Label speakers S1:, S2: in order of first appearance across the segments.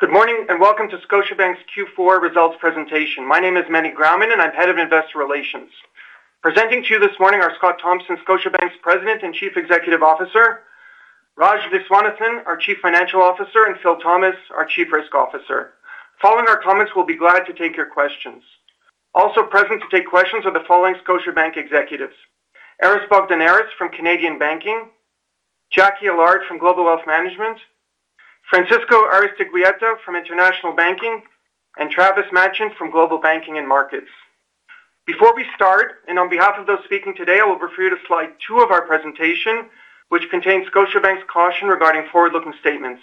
S1: Good morning and welcome to Scotiabank's Q4 results presentation. My name is Meny Grauman, and I'm Head of Investor Relations. Presenting to you this morning are Scott Thomson, Scotiabank's President and Chief Executive Officer; Raj Viswanathan, our Chief Financial Officer; and Phil Thomas, our Chief Risk Officer. Following our comments, we'll be glad to take your questions. Also present to take questions are the following Scotiabank executives: Aris Bogdaneris from Canadian Banking, Jacqui Allard from Global Wealth Management, Francisco Aristeguieta from International Banking, and Travis MacHen from Global Banking and Markets. Before we start, and on behalf of those speaking today, I will refer you to slide two of our presentation, which contains Scotiabank's caution regarding forward-looking statements.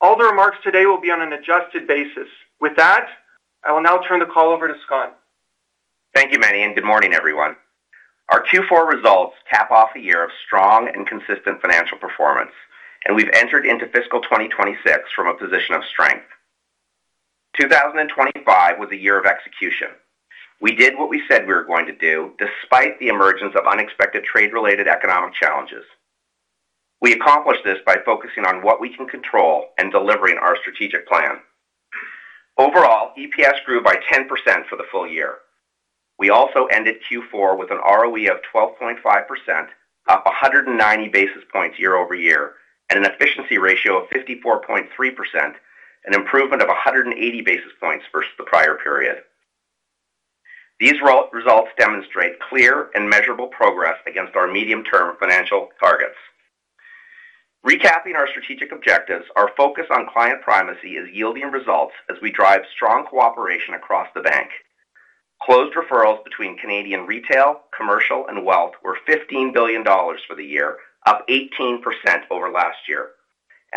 S1: All the remarks today will be on an adjusted basis. With that, I will now turn the call over to Scott.
S2: Thank you, Manny. Good morning, everyone. Our Q4 results cap off a year of strong and consistent financial performance, and we have entered into fiscal 2026 from a position of strength. 2025 was a year of execution. We did what we said we were going to do, despite the emergence of unexpected trade-related economic challenges. We accomplished this by focusing on what we can control and delivering our strategic plan. Overall, EPS grew by 10% for the full year. We also ended Q4 with an ROE of 12.5%, up 190 basis points year over year, and an efficiency ratio of 54.3%, an improvement of 180 basis points versus the prior period. These results demonstrate clear and measurable progress against our medium-term financial targets. Recapping our strategic objectives, our focus on client primacy is yielding results as we drive strong cooperation across the bank. Closed referrals between Canadian retail, commercial, and wealth were 15 billion dollars for the year, up 18% over last year.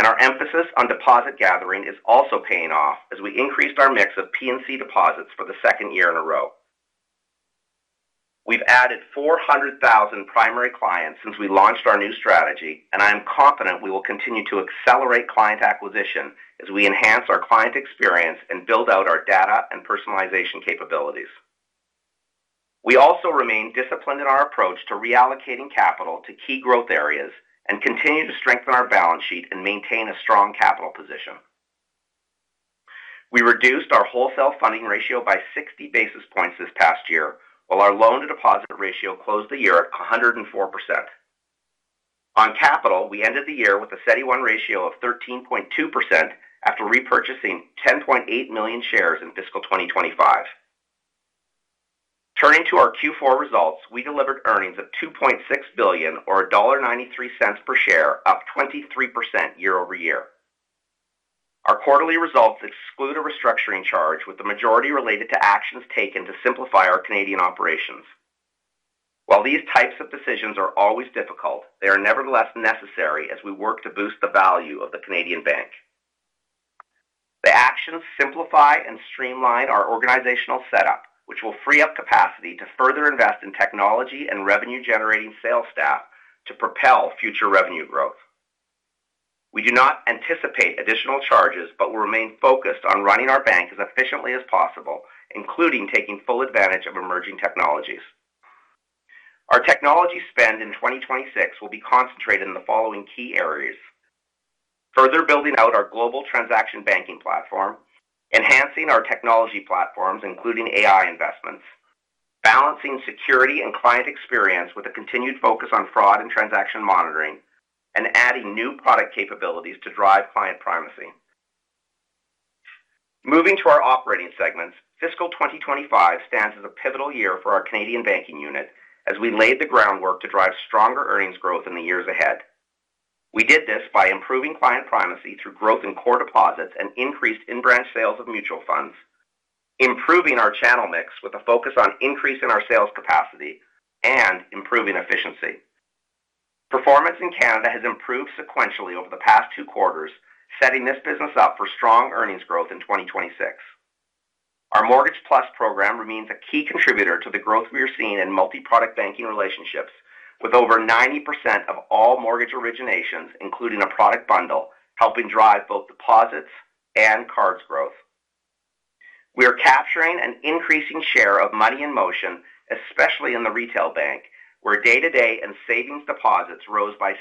S2: Our emphasis on deposit gathering is also paying off as we increased our mix of P&C deposits for the second year in a row. We have added 400,000 primary clients since we launched our new strategy, and I am confident we will continue to accelerate client acquisition as we enhance our client experience and build out our data and personalization capabilities. We also remain disciplined in our approach to reallocating capital to key growth areas and continue to strengthen our balance sheet and maintain a strong capital position. We reduced our wholesale funding ratio by 60 basis points this past year, while our loan-to-deposit ratio closed the year at 104%. On capital, we ended the year with a steady CET1 ratio of 13.2% after repurchasing 10.8 million shares in fiscal 2025. Turning to our Q4 results, we delivered earnings of 2.6 billion, or dollar 1.93 per share, up 23% year-over-year. Our quarterly results exclude a restructuring charge, with the majority related to actions taken to simplify our Canadian operations. While these types of decisions are always difficult, they are nevertheless necessary as we work to boost the value of the Canadian bank. The actions simplify and streamline our organizational setup, which will free up capacity to further invest in technology and revenue-generating sales staff to propel future revenue growth. We do not anticipate additional charges but will remain focused on running our bank as efficiently as possible, including taking full advantage of emerging technologies. Our technology spend in 2026 will be concentrated in the following key areas: further building out our global transaction banking platform, enhancing our technology platforms, including AI investments, balancing security and client experience with a continued focus on fraud and transaction monitoring, and adding new product capabilities to drive client primacy. Moving to our operating segments, fiscal 2025 stands as a pivotal year for our Canadian banking unit as we laid the groundwork to drive stronger earnings growth in the years ahead. We did this by improving client primacy through growth in core deposits and increased in-branch sales of mutual funds, improving our channel mix with a focus on increasing our sales capacity and improving efficiency. Performance in Canada has improved sequentially over the past two quarters, setting this business up for strong earnings growth in 2026. Our Mortgage+ program remains a key contributor to the growth we are seeing in multi-product banking relationships, with over 90% of all mortgage originations, including a product bundle, helping drive both deposits and cards growth. We are capturing an increasing share of money in motion, especially in the retail bank, where day-to-day and savings deposits rose by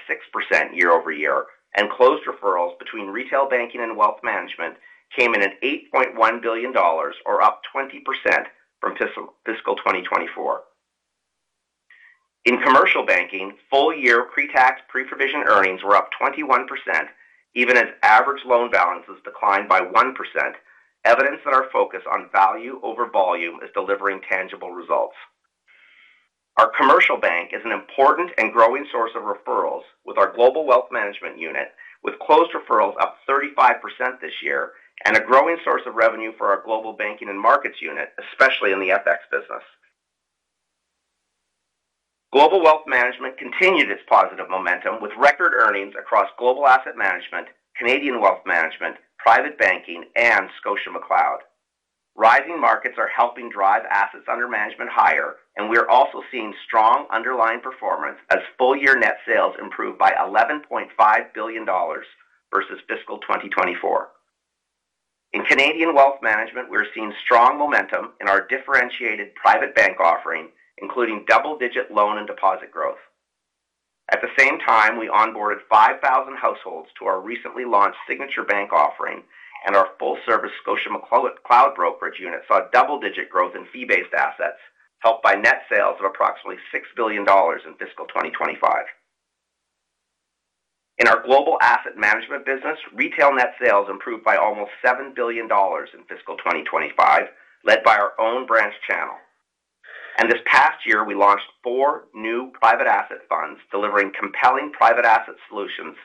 S2: 6% year-over year, and closed referrals between retail banking and wealth management came in at 8.1 billion dollars, or up 20% from fiscal 2024. In commercial banking, full-year pre-tax pre-provision earnings were up 21%, even as average loan balances declined by 1%, evidence that our focus on value over volume is delivering tangible results. Our commercial bank is an important and growing source of referrals with our Global Wealth Management unit, with closed referrals up 35% this year and a growing source of revenue for our Global Banking and Markets unit, especially in the FX business. Global Wealth Management continued its positive momentum with record earnings across Global Asset Management, Canadian Wealth Management, private banking, and ScotiaMcLeod. Rising markets are helping drive assets under management higher, and we are also seeing strong underlying performance as full-year net sales improved by 11.5 billion dollars versus fiscal 2024. In Canadian Wealth Management, we are seeing strong momentum in our differentiated private bank offering, including double-digit loan and deposit growth. At the same time, we onboarded 5,000 households to our recently launched signature bank offering, and our full-service ScotiaMcLeod brokerage unit saw double-digit growth in fee-based assets, helped by net sales of approximately 6 billion dollars in fiscal 2025. In our Global Asset Management business, retail net sales improved by almost 7 billion dollars in fiscal 2025, led by our own branch channel. This past year, we launched four new private asset funds, delivering compelling private asset solutions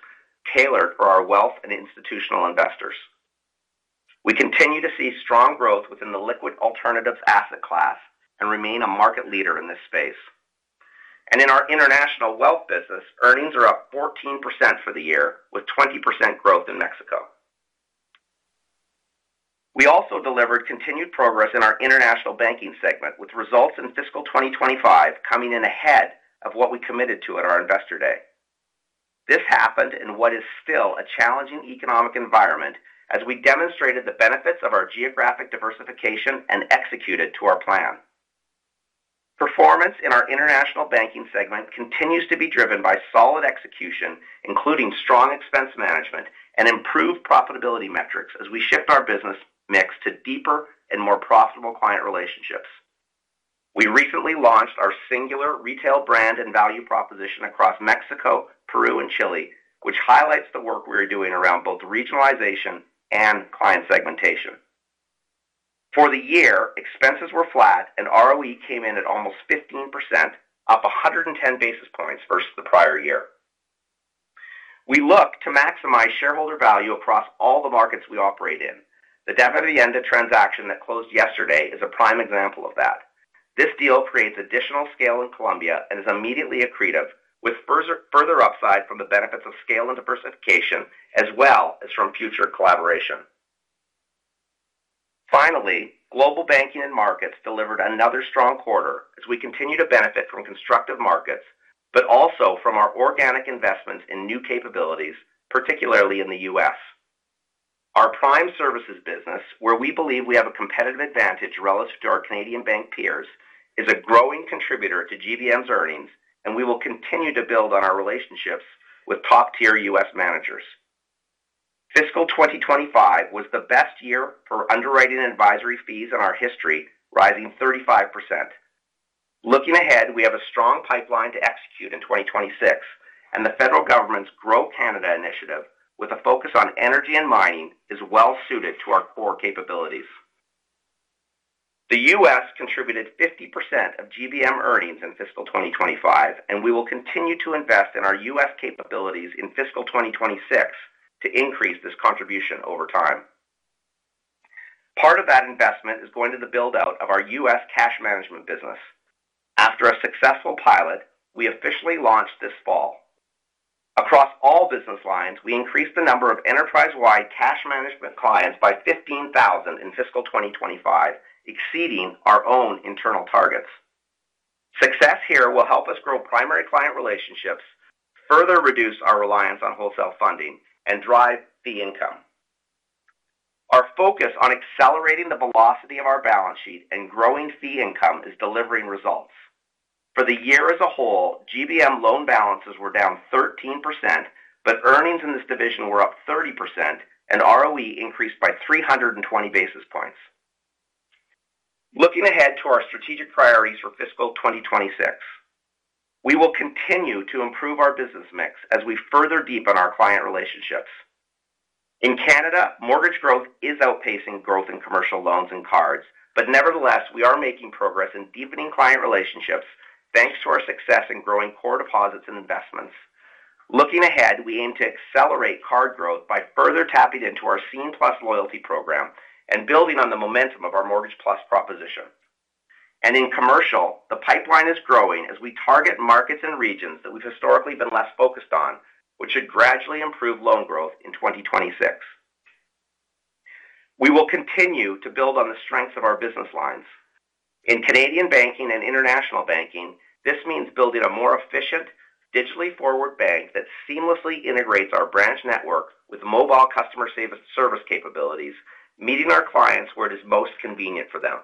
S2: tailored for our wealth and institutional investors. We continue to see strong growth within the liquid alternatives asset class and remain a market leader in this space. In our international wealth business, earnings are up 14% for the year, with 20% growth in Mexico. We also delivered continued progress in our international banking segment, with results in fiscal 2025 coming in ahead of what we committed to at our investor day. This happened in what is still a challenging economic environment as we demonstrated the benefits of our geographic diversification and executed to our plan. Performance in our international banking segment continues to be driven by solid execution, including strong expense management and improved profitability metrics as we shift our business mix to deeper and more profitable client relationships. We recently launched our singular retail brand and value proposition across Mexico, Peru, and Chile, which highlights the work we are doing around both regionalization and client segmentation. For the year, expenses were flat, and ROE came in at almost 15%, up 110 basis points versus the prior year. We look to maximize shareholder value across all the markets we operate in. The Davivienda transaction that closed yesterday is a prime example of that. This deal creates additional scale in Colombia and is immediately accretive, with further upside from the benefits of scale and diversification, as well as from future collaboration. Finally, Global Banking and Markets delivered another strong quarter as we continue to benefit from constructive markets, but also from our organic investments in new capabilities, particularly in the U.S. Our Prime Services business, where we believe we have a competitive advantage relative to our Canadian bank peers, is a growing contributor to GBM's earnings, and we will continue to build on our relationships with top-tier U.S. managers. Fiscal 2025 was the best year for underwriting and advisory fees in our history, rising 35%. Looking ahead, we have a strong pipeline to execute in 2026, and the federal government's Grow Canada initiative, with a focus on energy and mining, is well-suited to our core capabilities. The U.S. contributed 50% of GBM earnings in fiscal 2025, and we will continue to invest in our U.S. capabilities in fiscal 2026 to increase this contribution over time. Part of that investment is going to the build-out of our U.S. cash management business. After a successful pilot, we officially launched this fall. Across all business lines, we increased the number of enterprise-wide cash management clients by 15,000 in fiscal 2025, exceeding our own internal targets. Success here will help us grow primary client relationships, further reduce our reliance on wholesale funding, and drive fee income. Our focus on accelerating the velocity of our balance sheet and growing fee income is delivering results. For the year as a whole, GBM loan balances were down 13%, but earnings in this division were up 30%, and ROE increased by 320 basis points. Looking ahead to our strategic priorities for fiscal 2026, we will continue to improve our business mix as we further deepen our client relationships. In Canada, mortgage growth is outpacing growth in commercial loans and cards, but nevertheless, we are making progress in deepening client relationships thanks to our success in growing core deposits and investments. Looking ahead, we aim to accelerate card growth by further tapping into our C+ loyalty program and building on the momentum of our Mortgage+ proposition. In commercial, the pipeline is growing as we target markets and regions that we've historically been less focused on, which should gradually improve loan growth in 2026. We will continue to build on the strengths of our business lines. In Canadian banking and international banking, this means building a more efficient, digitally forward bank that seamlessly integrates our branch network with mobile customer service capabilities, meeting our clients where it is most convenient for them.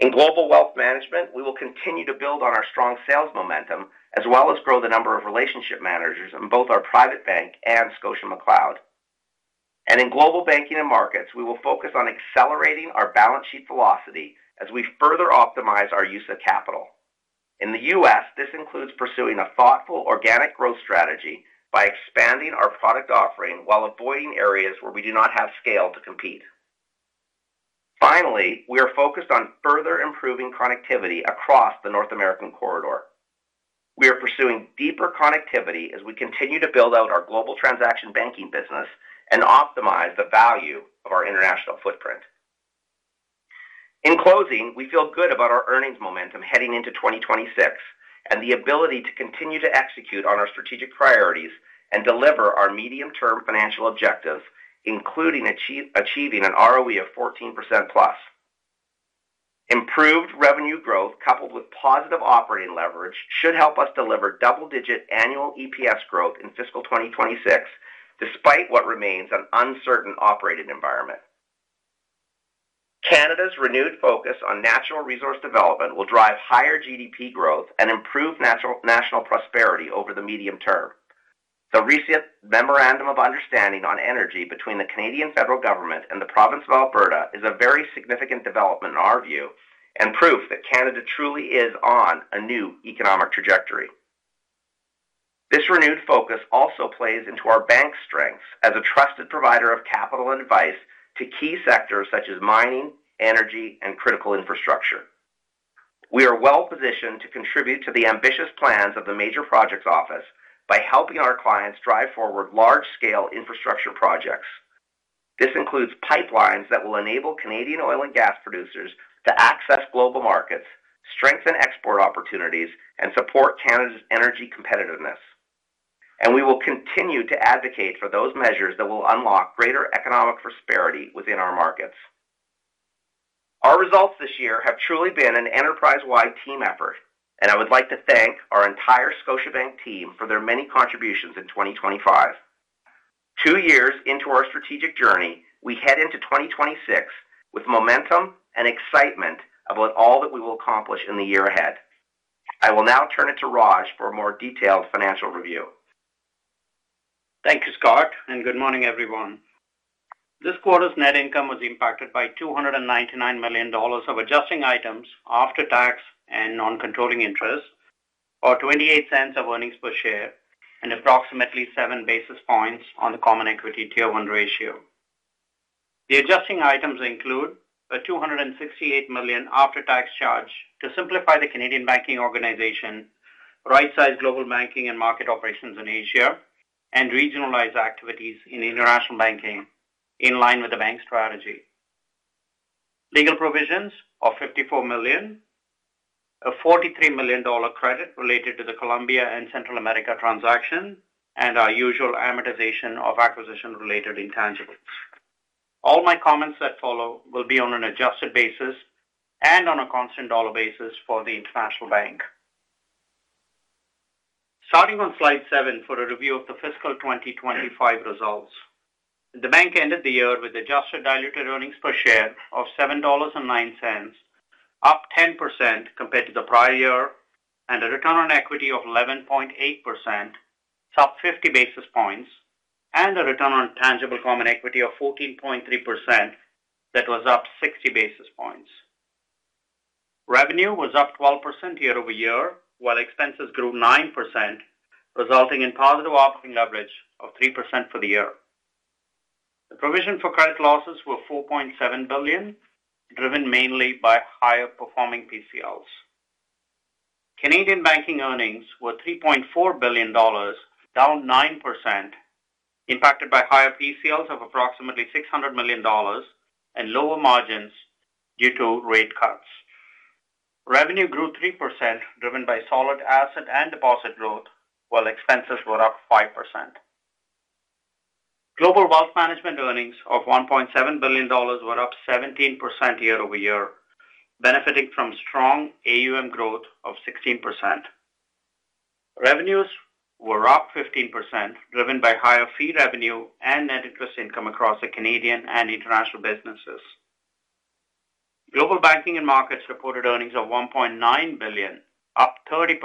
S2: In global wealth management, we will continue to build on our strong sales momentum, as well as grow the number of relationship managers in both our private bank and ScotiaMcLeod. In global banking and markets, we will focus on accelerating our balance sheet velocity as we further optimize our use of capital. In the U.S., this includes pursuing a thoughtful organic growth strategy by expanding our product offering while avoiding areas where we do not have scale to compete. Finally, we are focused on further improving connectivity across the North American corridor. We are pursuing deeper connectivity as we continue to build out our global transaction banking business and optimize the value of our international footprint. In closing, we feel good about our earnings momentum heading into 2026 and the ability to continue to execute on our strategic priorities and deliver our medium-term financial objectives, including achieving an ROE of 14% plus. Improved revenue growth, coupled with positive operating leverage, should help us deliver double-digit annual EPS growth in fiscal 2026, despite what remains an uncertain operating environment. Canada's renewed focus on natural resource development will drive higher GDP growth and improve national prosperity over the medium term. The recent memorandum of understanding on energy between the Canadian federal government and the province of Alberta is a very significant development in our view and proof that Canada truly is on a new economic trajectory. This renewed focus also plays into our bank's strengths as a trusted provider of capital and advice to key sectors such as mining, energy, and critical infrastructure. We are well-positioned to contribute to the ambitious plans of the Major Projects Office by helping our clients drive forward large-scale infrastructure projects. This includes pipelines that will enable Canadian oil and gas producers to access global markets, strengthen export opportunities, and support Canada's energy competitiveness. We will continue to advocate for those measures that will unlock greater economic prosperity within our markets. Our results this year have truly been an enterprise-wide team effort, and I would like to thank our entire Scotiabank team for their many contributions in 2025. Two years into our strategic journey, we head into 2026 with momentum and excitement about all that we will accomplish in the year ahead. I will now turn it to Raj for a more detailed financial review.
S3: Thank you, Scott, and good morning, everyone. This quarter's net income was impacted by 299 million dollars of adjusting items after tax and non-controlling interest, or $0.28 of earnings per share, and approximately 7 basis points on the common equity tier-1 ratio. The adjusting items include a 268 million after-tax charge to simplify the Canadian banking organization, right-size Global Banking and Markets operations in Asia, and regionalize activities in International Banking in line with the bank's strategy. Legal provisions of 54 million, a 43 million dollar credit related to the Colombia and Central America transaction, and our usual amortization of acquisition-related intangibles. All my comments that follow will be on an adjusted basis and on a constant dollar basis for the International Bank. Starting on slide 7 for a review of the fiscal 2025 results, the bank ended the year with adjusted diluted earnings per share of $7.09, up 10% compared to the prior year, and a return on equity of 11.8%, up 50 basis points, and a return on tangible common equity of 14.3% that was up 60 basis points. Revenue was up 12% year-over-year, while expenses grew 9%, resulting in positive operating leverage of 3% for the year. The provision for credit losses was $4.7 billion, driven mainly by higher-performing PCLs. Canadian banking earnings were $3.4 billion, down 9%, impacted by higher PCLs of approximately $600 million and lower margins due to rate cuts. Revenue grew 3%, driven by solid asset and deposit growth, while expenses were up 5%. Global Wealth Management earnings of $1.7 billion were up 17% year-over-year, benefiting from strong AUM growth of 16%. Revenues were up 15%, driven by higher fee revenue and net interest income across the Canadian and international businesses. Global Banking and Markets reported earnings of 1.9 billion, up 30%,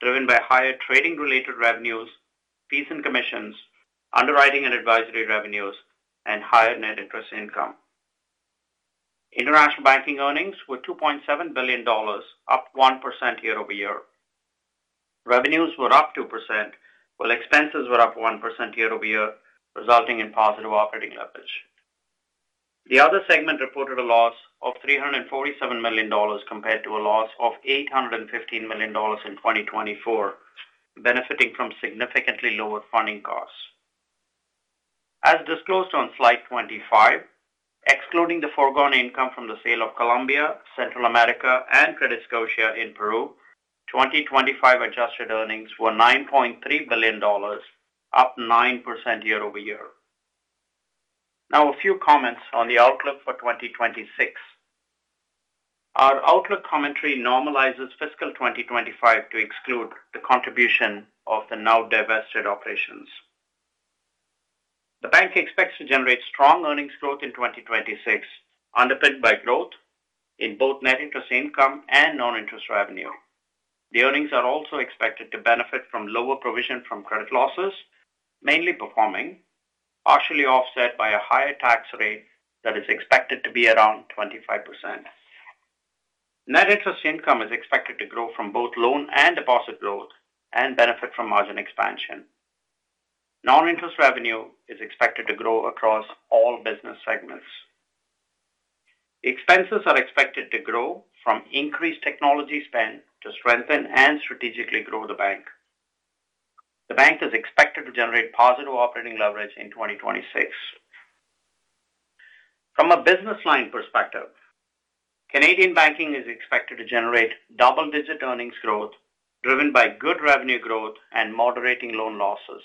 S3: driven by higher trading-related revenues, fees and commissions, underwriting and advisory revenues, and higher net interest income. International banking earnings were 2.7 billion dollars, up 1% year-over-year. Revenues were up 2%, while expenses were up 1% year-over-year, resulting in positive operating leverage. The other segment reported a loss of 347 million dollars compared to a loss of 815 million dollars in 2024, benefiting from significantly lower funding costs. As disclosed on slide 25, excluding the foregone income from the sale of Colombia, Central America, and CrediScotia in Peru, 2025 adjusted earnings were 9.3 billion dollars, up 9% year-over-year. Now, a few comments on the outlook for 2026. Our outlook commentary normalizes fiscal 2025 to exclude the contribution of the now divested operations. The bank expects to generate strong earnings growth in 2026, underpinned by growth in both net interest income and non-interest revenue. The earnings are also expected to benefit from lower provision from credit losses, mainly performing, partially offset by a higher tax rate that is expected to be around 25%. Net interest income is expected to grow from both loan and deposit growth and benefit from margin expansion. Non-interest revenue is expected to grow across all business segments. Expenses are expected to grow from increased technology spend to strengthen and strategically grow the bank. The bank is expected to generate positive operating leverage in 2026. From a business line perspective, Canadian banking is expected to generate double-digit earnings growth, driven by good revenue growth and moderating loan losses.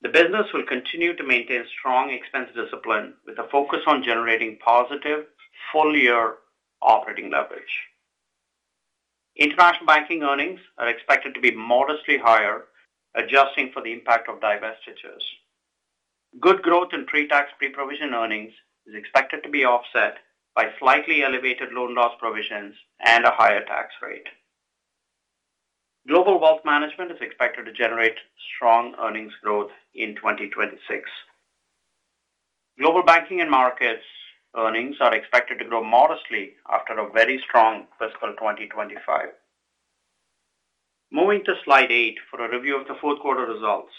S3: The business will continue to maintain strong expense discipline with a focus on generating positive, full-year operating leverage. International banking earnings are expected to be modestly higher, adjusting for the impact of divestitures. Good growth in pre-tax pre-provision earnings is expected to be offset by slightly elevated loan loss provisions and a higher tax rate. Global Wealth Management is expected to generate strong earnings growth in 2026. Global Banking and Markets earnings are expected to grow modestly after a very strong fiscal 2025. Moving to slide 8 for a review of the fourth quarter results,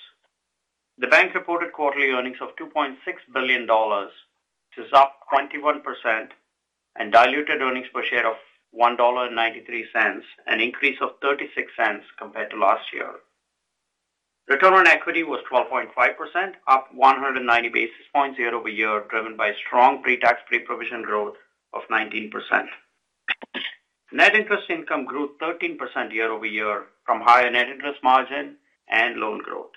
S3: the bank reported quarterly earnings of 2.6 billion dollars, which is up 21%, and diluted earnings per share of 1.93 dollar, an increase of 0.36 compared to last year. Return on equity was 12.5%, up 190 basis points year-over-year, driven by strong pre-tax pre-provision growth of 19%. Net interest income grew 13% year-over-year from higher net interest margin and loan growth.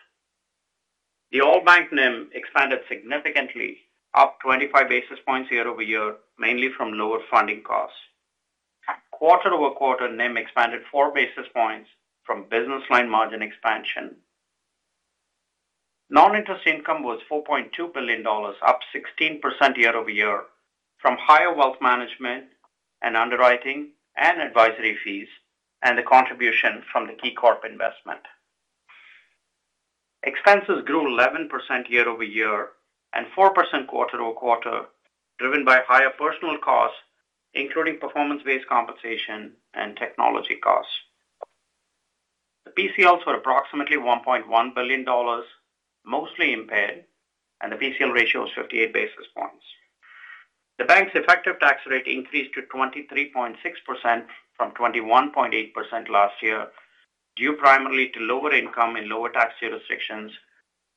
S3: The all-bank NIM expanded significantly, up 25 basis points year-over-year, mainly from lower funding costs. Quarter-over-quarter, NIM expanded 4 basis points from business line margin expansion. Non-interest income was 4.2 billion dollars, up 16% year-over-year, from higher wealth management and underwriting and advisory fees and the contribution from the KeyCorp investment. Expenses grew 11% year-over-year and 4% quarter-over-quarter, driven by higher personnel costs, including performance-based compensation and technology costs. The PCLs were approximately 1.1 billion dollars, mostly impaired, and the PCL ratio was 58 basis points. The bank's effective tax rate increased to 23.6% from 21.8% last year, due primarily to lower income in lower tax jurisdictions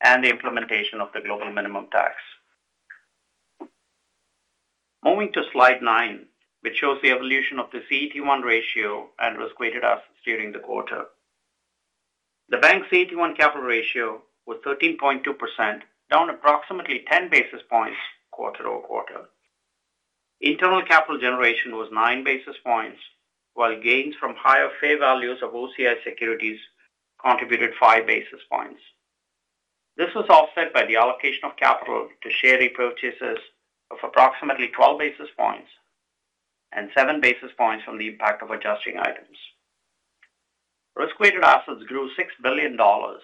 S3: and the implementation of the global minimum tax. Moving to slide 9, which shows the evolution of the CET1 ratio and risk-weighted assets during the quarter. The bank's CET1 capital ratio was 13.2%, down approximately 10 basis points quarter-over-quarter. Internal capital generation was 9 basis points, while gains from higher fair values of OCI securities contributed 5 basis points. This was offset by the allocation of capital to share repurchases of approximately 12 basis points and 7 basis points from the impact of adjusting items. Risk-weighted assets grew 6 billion dollars,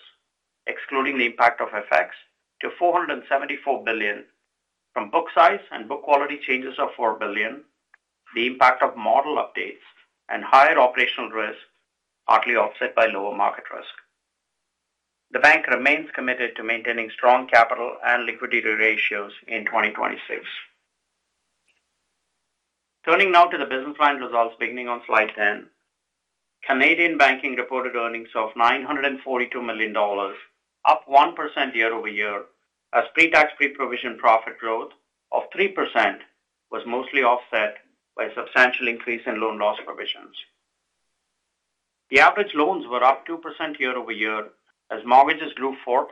S3: excluding the impact of FX, to 474 billion, from book size and book quality changes of 4 billion. The impact of model updates and higher operational risk partly offset by lower market risk. The bank remains committed to maintaining strong capital and liquidity ratios in 2026. Turning now to the business line results beginning on slide 10, Canadian banking reported earnings of 942 million dollars, up 1% year-over-year, as pre-tax pre-provision profit growth of 3% was mostly offset by a substantial increase in loan loss provisions. The average loans were up 2% year-over-year, as mortgages grew 4%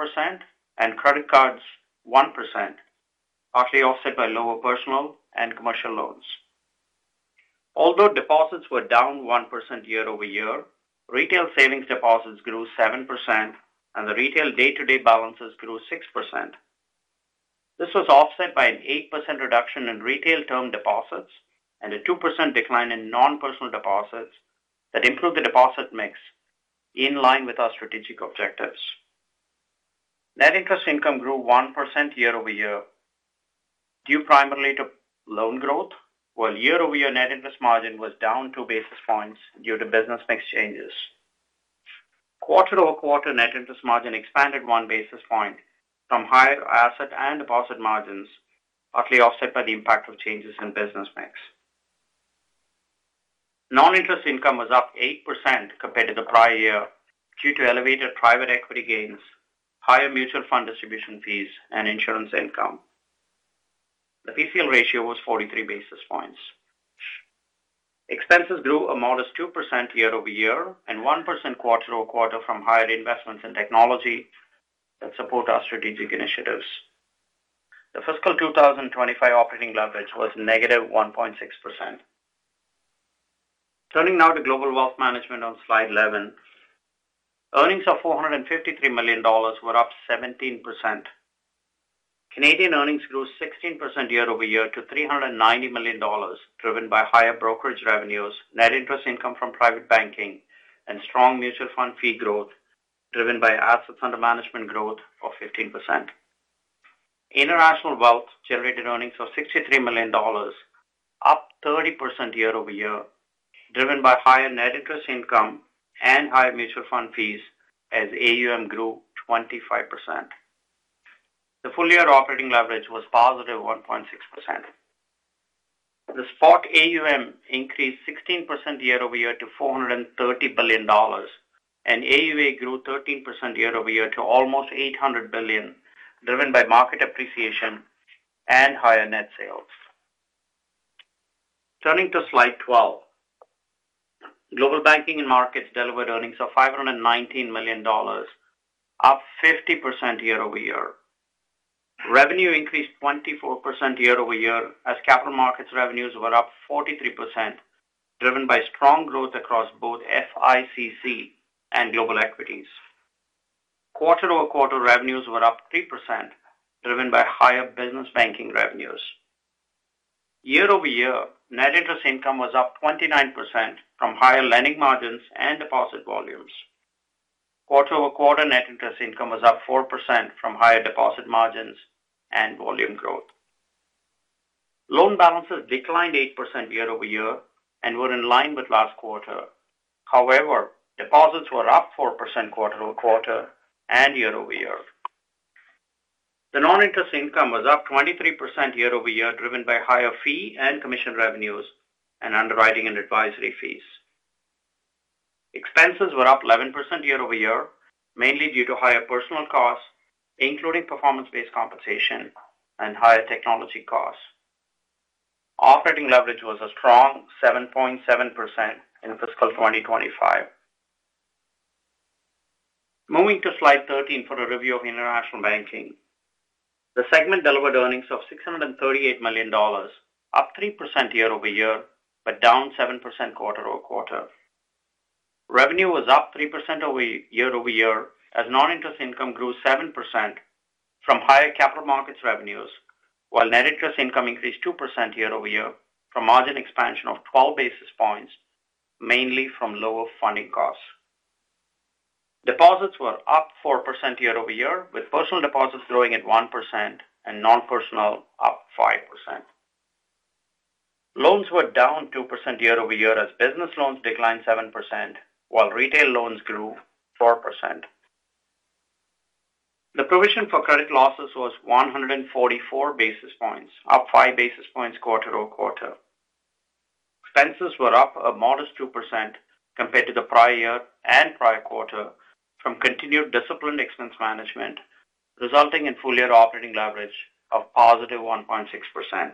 S3: and credit cards 1%, partly offset by lower personal and commercial loans. Although deposits were down 1% year-over-year, retail savings deposits grew 7%, and the retail day-to-day balances grew 6%. This was offset by an 8% reduction in retail term deposits and a 2% decline in non-personal deposits that improved the deposit mix in line with our strategic objectives. Net interest income grew 1% year-over-year, due primarily to loan growth, while year-over-year net interest margin was down 2 basis points due to business mix changes. Quarter-over-quarter, net interest margin expanded 1 basis point from higher asset and deposit margins, partly offset by the impact of changes in business mix. Non-interest income was up 8% compared to the prior year due to elevated private equity gains, higher mutual fund distribution fees, and insurance income. The PCL ratio was 43 basis points. Expenses grew a modest 2% year over year and 1% quarter-over-quarter from higher investments in technology that support our strategic initiatives. The fiscal 2025 operating leverage was negative 1.6%. Turning now to Global Wealth Management on slide 11, earnings of 453 million dollars were up 17%. Canadian earnings grew 16% year-over-year to 390 million dollars, driven by higher brokerage revenues, net interest income from private banking, and strong mutual fund fee growth, driven by assets under management growth of 15%. International Wealth generated earnings of $63 million, up 30% year-over-year, driven by higher net interest income and higher mutual fund fees as AUM grew 25%. The full-year operating leverage was positive 1.6%. The spot AUM increased 16% year over year to $430 billion, and AUA grew 13% year over year to almost $800 billion, driven by market appreciation and higher net sales. Turning to slide 12, Global Banking and Markets delivered earnings of $519 million, up 50% year-over-year. Revenue increased 24% year-over-year as capital markets revenues were up 43%, driven by strong growth across both FICC and global equities. Quarter-over-quarter revenues were up 3%, driven by higher business banking revenues. Year-over-year, net interest income was up 29% from higher lending margins and deposit volumes. Quarter-over-quarter net interest income was up 4% from higher deposit margins and volume growth. Loan balances declined 8% year over year and were in line with last quarter. However, deposits were up 4% quarter-over-quarter and year-over-year. The non-interest income was up 23% year-over-year, driven by higher fee and commission revenues and underwriting and advisory fees. Expenses were up 11% year-over-year, mainly due to higher personal costs, including performance-based compensation and higher technology costs. Operating leverage was a strong 7.7% in fiscal 2025. Moving to slide 13 for a review of international banking, the segment delivered earnings of 638 million dollars, up 3% year-over-year, but down 7% quarter-over-quarter. Revenue was up 3% year-over-year as non-interest income grew 7% from higher capital markets revenues, while net interest income increased 2% year-over-year from margin expansion of 12 basis points, mainly from lower funding costs. Deposits were up 4% year-over-year, with personal deposits growing at 1% and non-personal up 5%. Loans were down 2% year-over-year as business loans declined 7%, while retail loans grew 4%. The provision for credit losses was 144 basis points, up 5 basis points quarter-over-quarter. Expenses were up a modest 2% compared to the prior year and prior quarter from continued disciplined expense management, resulting in full-year operating leverage of positive 1.6%.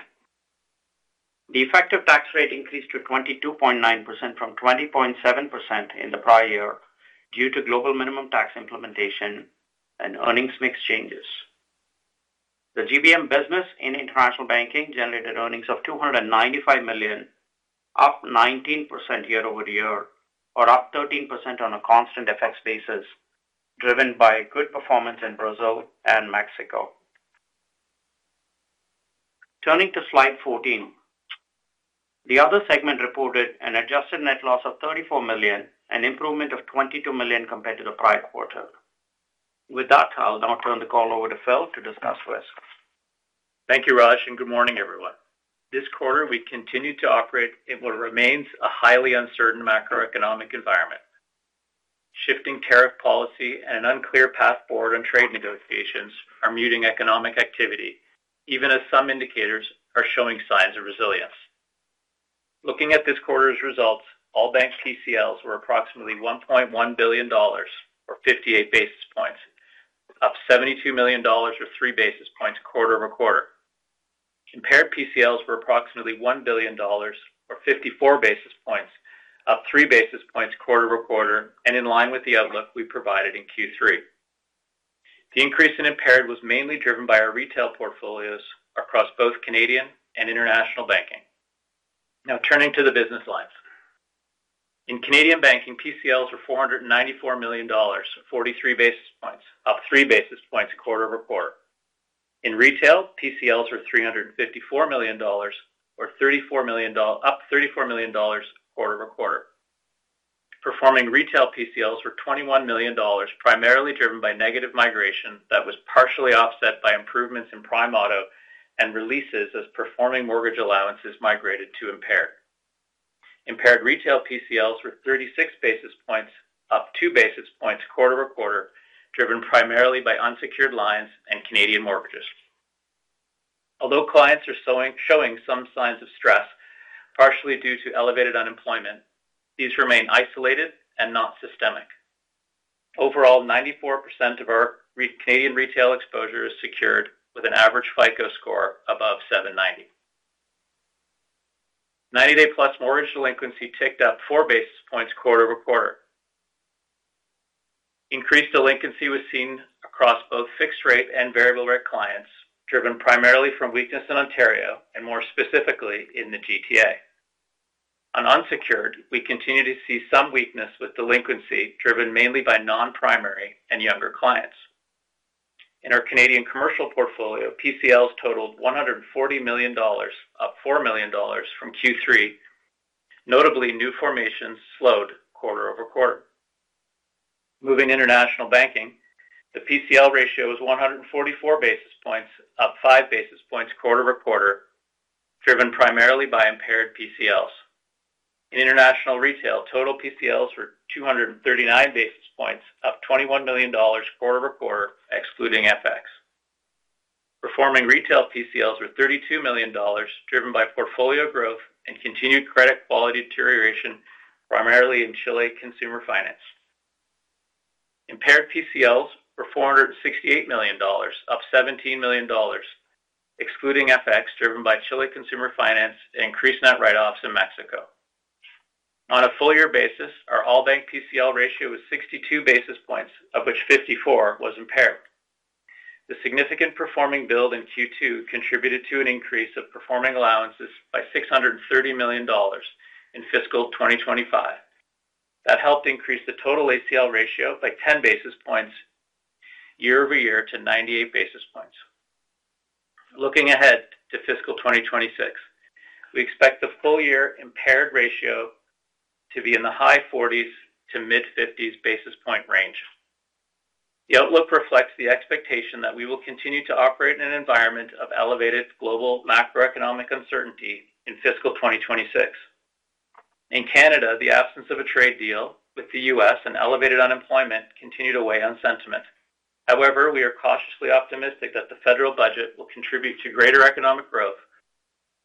S3: The effective tax rate increased to 22.9% from 20.7% in the prior year due to global minimum tax implementation and earnings mix changes. The GBM business in international banking generated earnings of 295 million, up 19% year-over-year, or up 13% on a constant FX basis, driven by good performance in Brazil and Mexico. Turning to slide 14, the other segment reported an adjusted net loss of $34 million, an improvement of $22 million compared to the prior quarter. With that, I'll now turn the call over to Phil to discuss risk.
S4: Thank you, Raj, and good morning, everyone. This quarter, we continue to operate in what remains a highly uncertain macroeconomic environment. Shifting tariff policy and an unclear path forward on trade negotiations are muting economic activity, even as some indicators are showing signs of resilience. Looking at this quarter's results, All Bank PCLs were approximately $1.1 billion, or 58 basis points, up $72 million, or 3 basis points quarter over quarter. Impaired PCLs were approximately $1 billion, or 54 basis points, up 3 basis points quarter over quarter, and in line with the outlook we provided in Q3. The increase in impaired was mainly driven by our retail portfolios across both Canadian and international banking. Now, turning to the business lines. In Canadian banking, PCLs were 494 million dollars, 43 basis points, up 3 basis points quarter over quarter. In retail, PCLs were CAD 354 million, or CAD 34 million, up CAD 34 million quarter-over-quarter. Performing retail PCLs were CAD 21 million, primarily driven by negative migration that was partially offset by improvements in Prime Auto and releases as performing mortgage allowances migrated to impaired. Impaired retail PCLs were 36 basis points, up 2 basis points quarter-over-quarter, driven primarily by unsecured lines and Canadian mortgages. Although clients are showing some signs of stress, partially due to elevated unemployment, these remain isolated and not systemic. Overall, 94% of our Canadian retail exposure is secured with an average FICO score above 790. 90-day plus mortgage delinquency ticked up 4 basis points quarter-over-quarter. Increased delinquency was seen across both fixed-rate and variable-rate clients, driven primarily from weakness in Ontario and more specifically in the GTA. On unsecured, we continue to see some weakness with delinquency driven mainly by non-primary and younger clients. In our Canadian commercial portfolio, PCLs totaled 140 million dollars, up 4 million dollars from Q3. Notably, new formations slowed quarter-over-quarter. Moving to international banking, the PCL ratio was 144 basis points, up 5 basis points quarter-over-quarter, driven primarily by impaired PCLs. In international retail, total PCLs were 239 basis points, up 21 million dollars quarter-over-quarter, excluding FX. Performing retail PCLs were 32 million dollars, driven by portfolio growth and continued credit quality deterioration, primarily in Chile consumer finance. Impaired PCLs were $468 million, up $17 million, excluding FX, driven by Chile consumer finance and increased net write-offs in Mexico. On a full-year basis, our All Bank PCL ratio was 62 basis points, of which 54 was impaired. The significant performing build in Q2 contributed to an increase of performing allowances by $630 million in fiscal 2025. That helped increase the total ACL ratio by 10 basis points year-over-year to 98 basis points. Looking ahead to fiscal 2026, we expect the full-year impaired ratio to be in the high 40s to mid-50s basis point range. The outlook reflects the expectation that we will continue to operate in an environment of elevated global macroeconomic uncertainty in fiscal 2026. In Canada, the absence of a trade deal with the U.S. and elevated unemployment continue to weigh on sentiment. However, we are cautiously optimistic that the federal budget will contribute to greater economic growth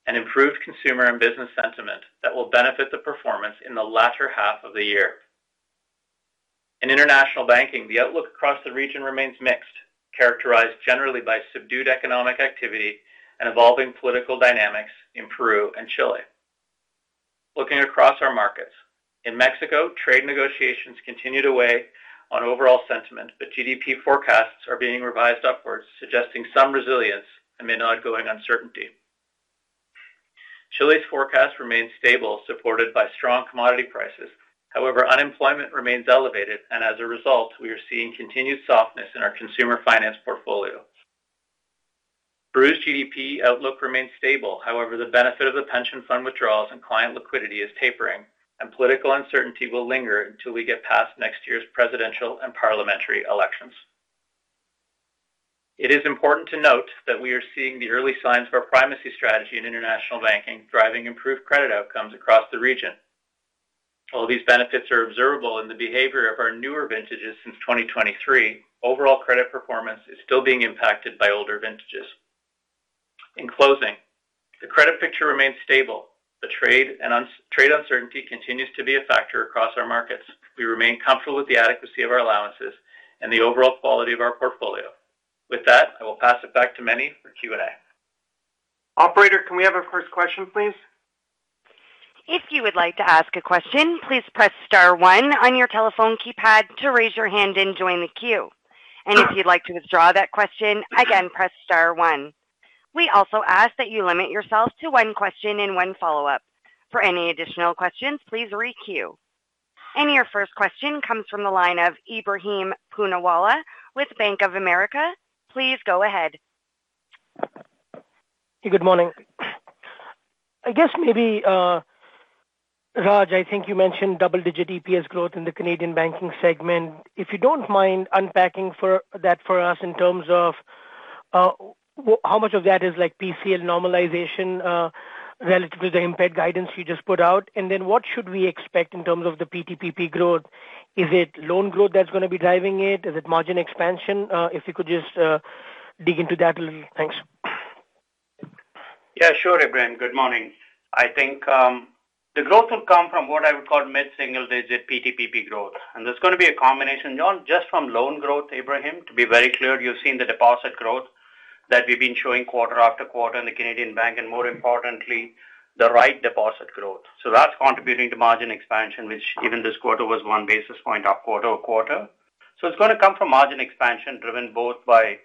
S4: and improved consumer and business sentiment that will benefit the performance in the latter half of the year. In international banking, the outlook across the region remains mixed, characterized generally by subdued economic activity and evolving political dynamics in Peru and Chile. Looking across our markets, in Mexico, trade negotiations continue to weigh on overall sentiment, but GDP forecasts are being revised upwards, suggesting some resilience amid ongoing uncertainty. Chile's forecast remains stable, supported by strong commodity prices. However, unemployment remains elevated, and as a result, we are seeing continued softness in our consumer finance portfolio. Peru's GDP outlook remains stable. However, the benefit of the pension fund withdrawals and client liquidity is tapering, and political uncertainty will linger until we get past next year's presidential and parliamentary elections. It is important to note that we are seeing the early signs of our primacy strategy in international banking driving improved credit outcomes across the region. While these benefits are observable in the behavior of our newer vintages since 2023, overall credit performance is still being impacted by older vintages. In closing, the credit picture remains stable. The trade uncertainty continues to be a factor across our markets. We remain comfortable with the adequacy of our allowances and the overall quality of our portfolio. With that, I will pass it back to Meny for Q&A.
S1: Operator, can we have a first question, please?
S5: If you would like to ask a question, please press star one on your telephone keypad to raise your hand and join the queue. If you'd like to withdraw that question, again, press star one. We also ask that you limit yourself to one question and one follow-up. For any additional questions, please re-queue. Your first question comes from the line of Ebrahim Poonawala with Bank of America. Please go ahead.
S6: Hey, good morning. I guess maybe, Raj, I think you mentioned double-digit EPS growth in the Canadian banking segment. If you do not mind unpacking that for us in terms of how much of that is like PCL normalization relative to the impaired guidance you just put out, and then what should we expect in terms of the PTPP growth? Is it loan growth that is going to be driving it? Is it margin expansion? If you could just dig into that a little, thanks.
S3: Yeah, sure, Ibrahim. Good morning. I think the growth will come from what I would call mid-single-digit PTPP growth. There is going to be a combination, not just from loan growth, Ibrahim, to be very clear, you have seen the deposit growth that we have been showing quarter-after-quarter in the Canadian bank, and more importantly, the right deposit growth. That is contributing to margin expansion, which even this quarter was one basis point up quarter-over-quarter. It is going to come from margin expansion driven both by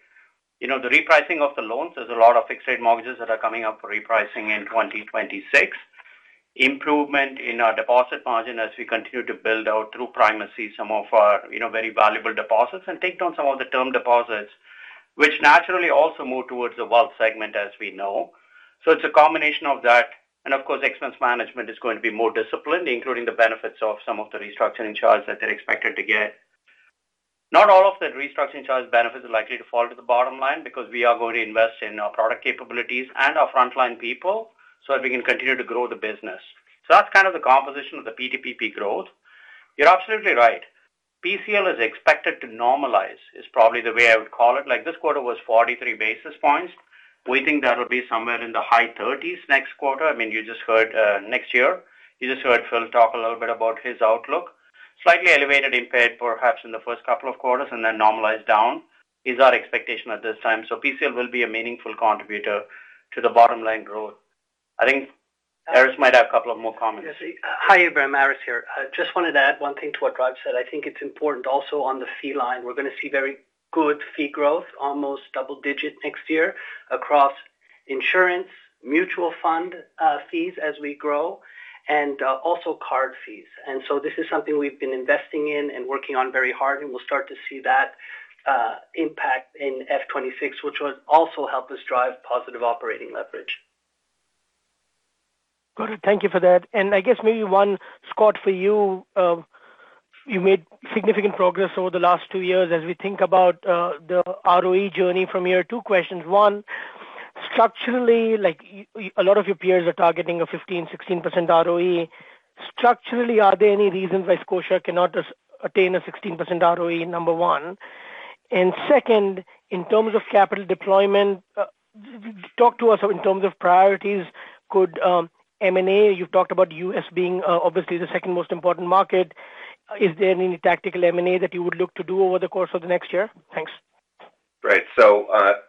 S3: the repricing of the loans. There are a lot of fixed-rate mortgages that are coming up for repricing in 2026, improvement in our deposit margin as we continue to build out through primacy some of our very valuable deposits and take down some of the term deposits, which naturally also move towards the wealth segment as we know. It is a combination of that. Expense management is going to be more disciplined, including the benefits of some of the restructuring charge that they're expected to get. Not all of the restructuring charge benefits are likely to fall to the bottom line because we are going to invest in our product capabilities and our frontline people so that we can continue to grow the business. That's kind of the composition of the PTPP growth. You're absolutely right. PCL is expected to normalize is probably the way I would call it. Like this quarter was 43 basis points. We think that will be somewhere in the high 30s next quarter. I mean, you just heard next year, you just heard Phil talk a little bit about his outlook. Slightly elevated impaired perhaps in the first couple of quarters and then normalize down is our expectation at this time. PCL will be a meaningful contributor to the bottom line growth. I think Aris might have a couple of more comments.
S7: Hi, Ibrahim. Aris here. I just wanted to add one thing to what Raj said. I think it's important also on the fee line. We're going to see very good fee growth, almost double-digit next year across insurance, mutual fund fees as we grow, and also card fees. This is something we've been investing in and working on very hard, and we'll start to see that impact in F 2026, which will also help us drive positive operating leverage.
S6: Got it. Thank you for that. I guess maybe one, Scott, for you. You made significant progress over the last two years as we think about the ROE journey from year two. Questions, one, structurally, like a lot of your peers are targeting a 15%-16% ROE. Structurally, are there any reasons why Scotia cannot attain a 16% ROE? Number one. Second, in terms of capital deployment, talk to us in terms of priorities. Could M&A, you've talked about U.S. being obviously the second most important market. Is there any tactical M&A that you would look to do over the course of the next year? Thanks.
S2: Right.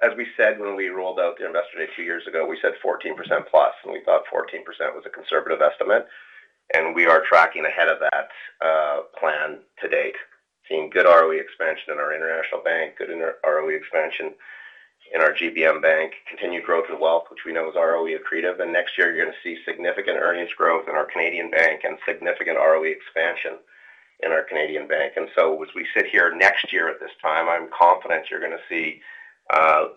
S2: As we said when we rolled out the investor day two years ago, we said 14% plus, and we thought 14% was a conservative estimate. We are tracking ahead of that plan to date. Seeing good ROE expansion in our international bank, good ROE expansion in our GBM bank, continued growth of wealth, which we know is ROE accretive. Next year, you're going to see significant earnings growth in our Canadian bank and significant ROE expansion in our Canadian bank. As we sit here next year at this time, I'm confident you're going to see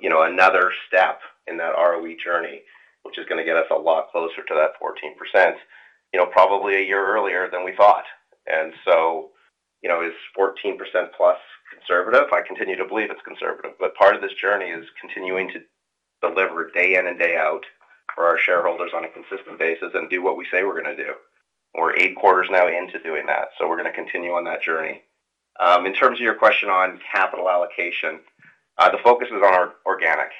S2: another step in that ROE journey, which is going to get us a lot closer to that 14%, probably a year earlier than we thought. Is 14% plus conservative? I continue to believe it's conservative. Part of this journey is continuing to deliver day in and day out for our shareholders on a consistent basis and do what we say we're going to do. We're eight quarters now into doing that. We're going to continue on that journey. In terms of your question on capital allocation, the focus is on organic.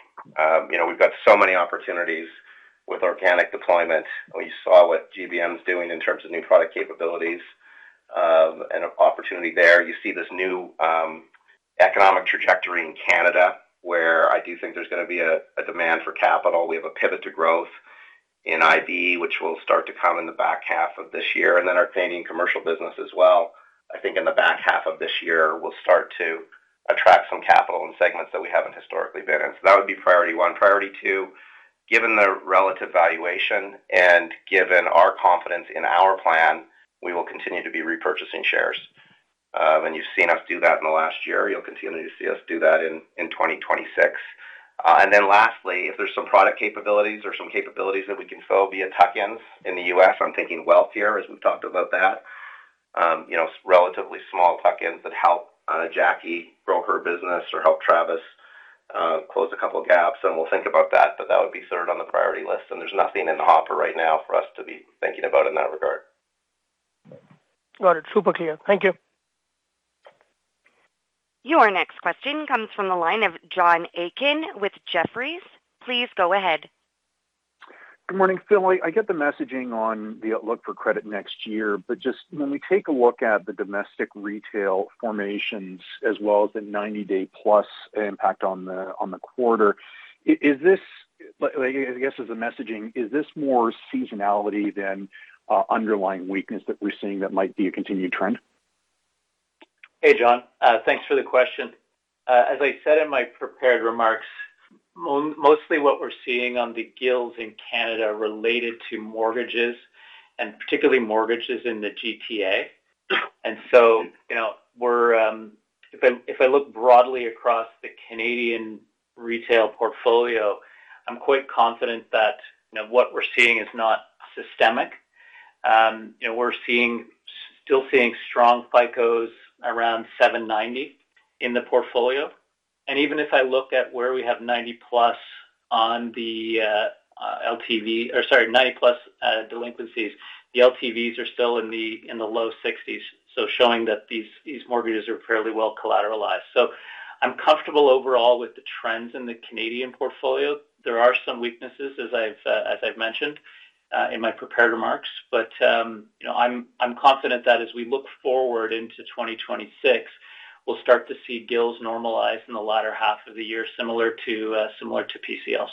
S2: We've got so many opportunities with organic deployment. We saw what GBM is doing in terms of new product capabilities and opportunity there. You see this new economic trajectory in Canada where I do think there's going to be a demand for capital. We have a pivot to growth in IB, which will start to come in the back half of this year. Our Canadian commercial business as well, I think in the back half of this year, will start to attract some capital in segments that we haven't historically been in. That would be priority one. Priority two, given the relative valuation and given our confidence in our plan, we will continue to be repurchasing shares. You've seen us do that in the last year. You'll continue to see us do that in 2026. If there are some product capabilities or some capabilities that we can fill via tuck-ins in the U.S., I am thinking wealthier as we have talked about that. Relatively small tuck-ins that help Jacqui grow her business or help Travis close a couple of gaps. We will think about that, but that would be third on the priority list. There is nothing in the hopper right now for us to be thinking about in that regard.
S6: Got it. Super clear. Thank you.
S5: Your next question comes from the line of John Aiken with Jefferies. Please go ahead.
S8: Good morning, Phil. I get the messaging on the outlook for credit next year, but just when we take a look at the domestic retail formations as well as the 90-day plus impact on the quarter, is this, I guess as a messaging, is this more seasonality than underlying weakness that we're seeing that might be a continued trend?
S4: Hey, John. Thanks for the question. As I said in my prepared remarks, mostly what we're seeing on the GILs in Canada related to mortgages and particularly mortgages in the GTA. If I look broadly across the Canadian retail portfolio, I'm quite confident that what we're seeing is not systemic. We're still seeing strong FICOs around 790 in the portfolio. Even if I look at where we have 90 plus on the LTV or sorry, 90 plus delinquencies, the LTVs are still in the low 60s, showing that these mortgages are fairly well collateralized. I am comfortable overall with the trends in the Canadian portfolio. There are some weaknesses, as I have mentioned in my prepared remarks, but I am confident that as we look forward into 2026, we will start to see GILs normalize in the latter half of the year, similar to PCLs.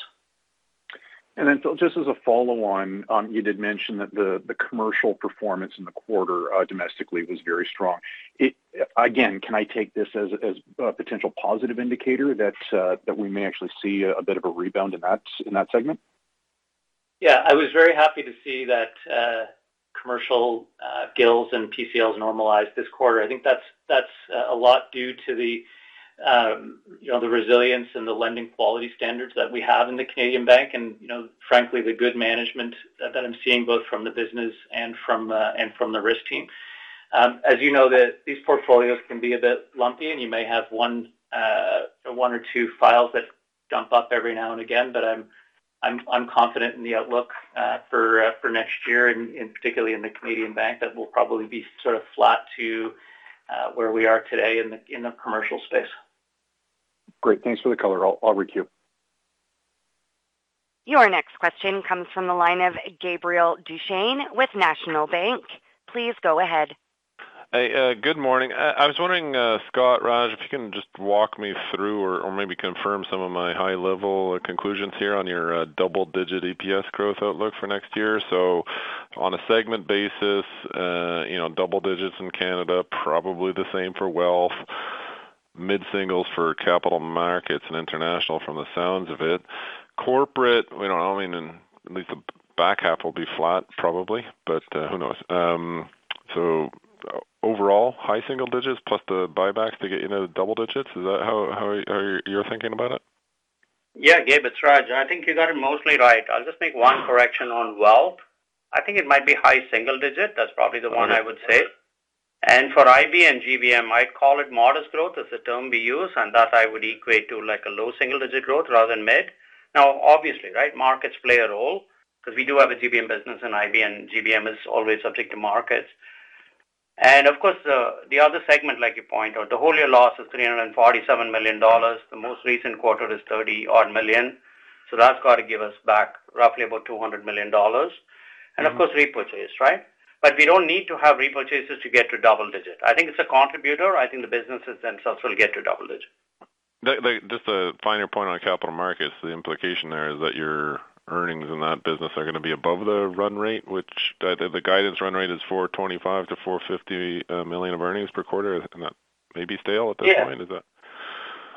S8: Just as a follow-on, you did mention that the commercial performance in the quarter domestically was very strong. Can I take this as a potential positive indicator that we may actually see a bit of a rebound in that segment?
S4: Yeah. I was very happy to see that commercial GILs and PCLs normalized this quarter. I think that's a lot due to the resilience and the lending quality standards that we have in the Canadian bank and frankly, the good management that I'm seeing both from the business and from the risk team. As you know, these portfolios can be a bit lumpy, and you may have one or two files that jump up every now and again, but I'm confident in the outlook for next year, and particularly in the Canadian bank, that we'll probably be sort of flat to where we are today in the commercial space.
S8: Great. Thanks for the color. I'll re-queue.
S5: Your next question comes from the line of Gabriel Dechaine with National Bank. Please go ahead.
S9: Hey, good morning. I was wondering, Scott, Raj, if you can just walk me through or maybe confirm some of my high-level conclusions here on your double-digit EPS growth outlook for next year. On a segment basis, double digits in Canada, probably the same for wealth, mid-singles for capital markets and international from the sounds of it. Corporate, I mean, at least the back half will be flat probably, but who knows? Overall, high single digits plus the buybacks to get you into the double digits. Is that how you're thinking about it?
S3: Yeah, Gabe, it's Raj. I think you got it mostly right. I'll just make one correction on wealth. I think it might be high single digit. That's probably the one I would say. For IB and GBM, I'd call it modest growth is the term we use, and that I would equate to like a low single digit growth rather than mid. Now, obviously, right, markets play a role because we do have a GBM business in IB, and GBM is always subject to markets. Of course, the other segment, like you point out, the whole year loss is $347 million. The most recent quarter is 30-odd million. That has to give us back roughly about $200 million. Of course, repurchase, right? We do not need to have repurchases to get to double digit. I think it is a contributor.
S9: I think the businesses themselves will get to double digit. Just a finer point on capital markets. The implication there is that your earnings in that business are going to be above the run rate, which the guidance run rate is $425 million-$450 million of earnings per quarter, and that may be stale at this point. Is that?
S3: Yeah.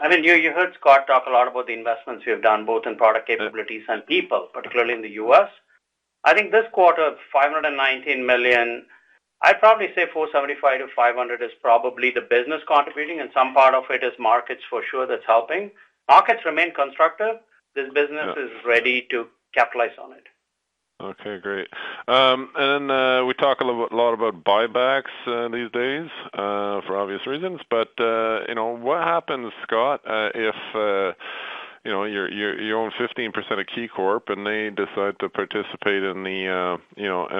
S3: I mean, you heard Scott talk a lot about the investments we have done both in product capabilities and people, particularly in the U.S. I think this quarter, $519 million, I'd probably say $475 million-$500 million is probably the business contributing, and some part of it is markets for sure that's helping. Markets remain constructive. This business is ready to capitalize on it.
S9: Okay, great. We talk a lot about buybacks these days for obvious reasons. What happens, Scott, if you own 15% of KeyCorp and they decide to participate in the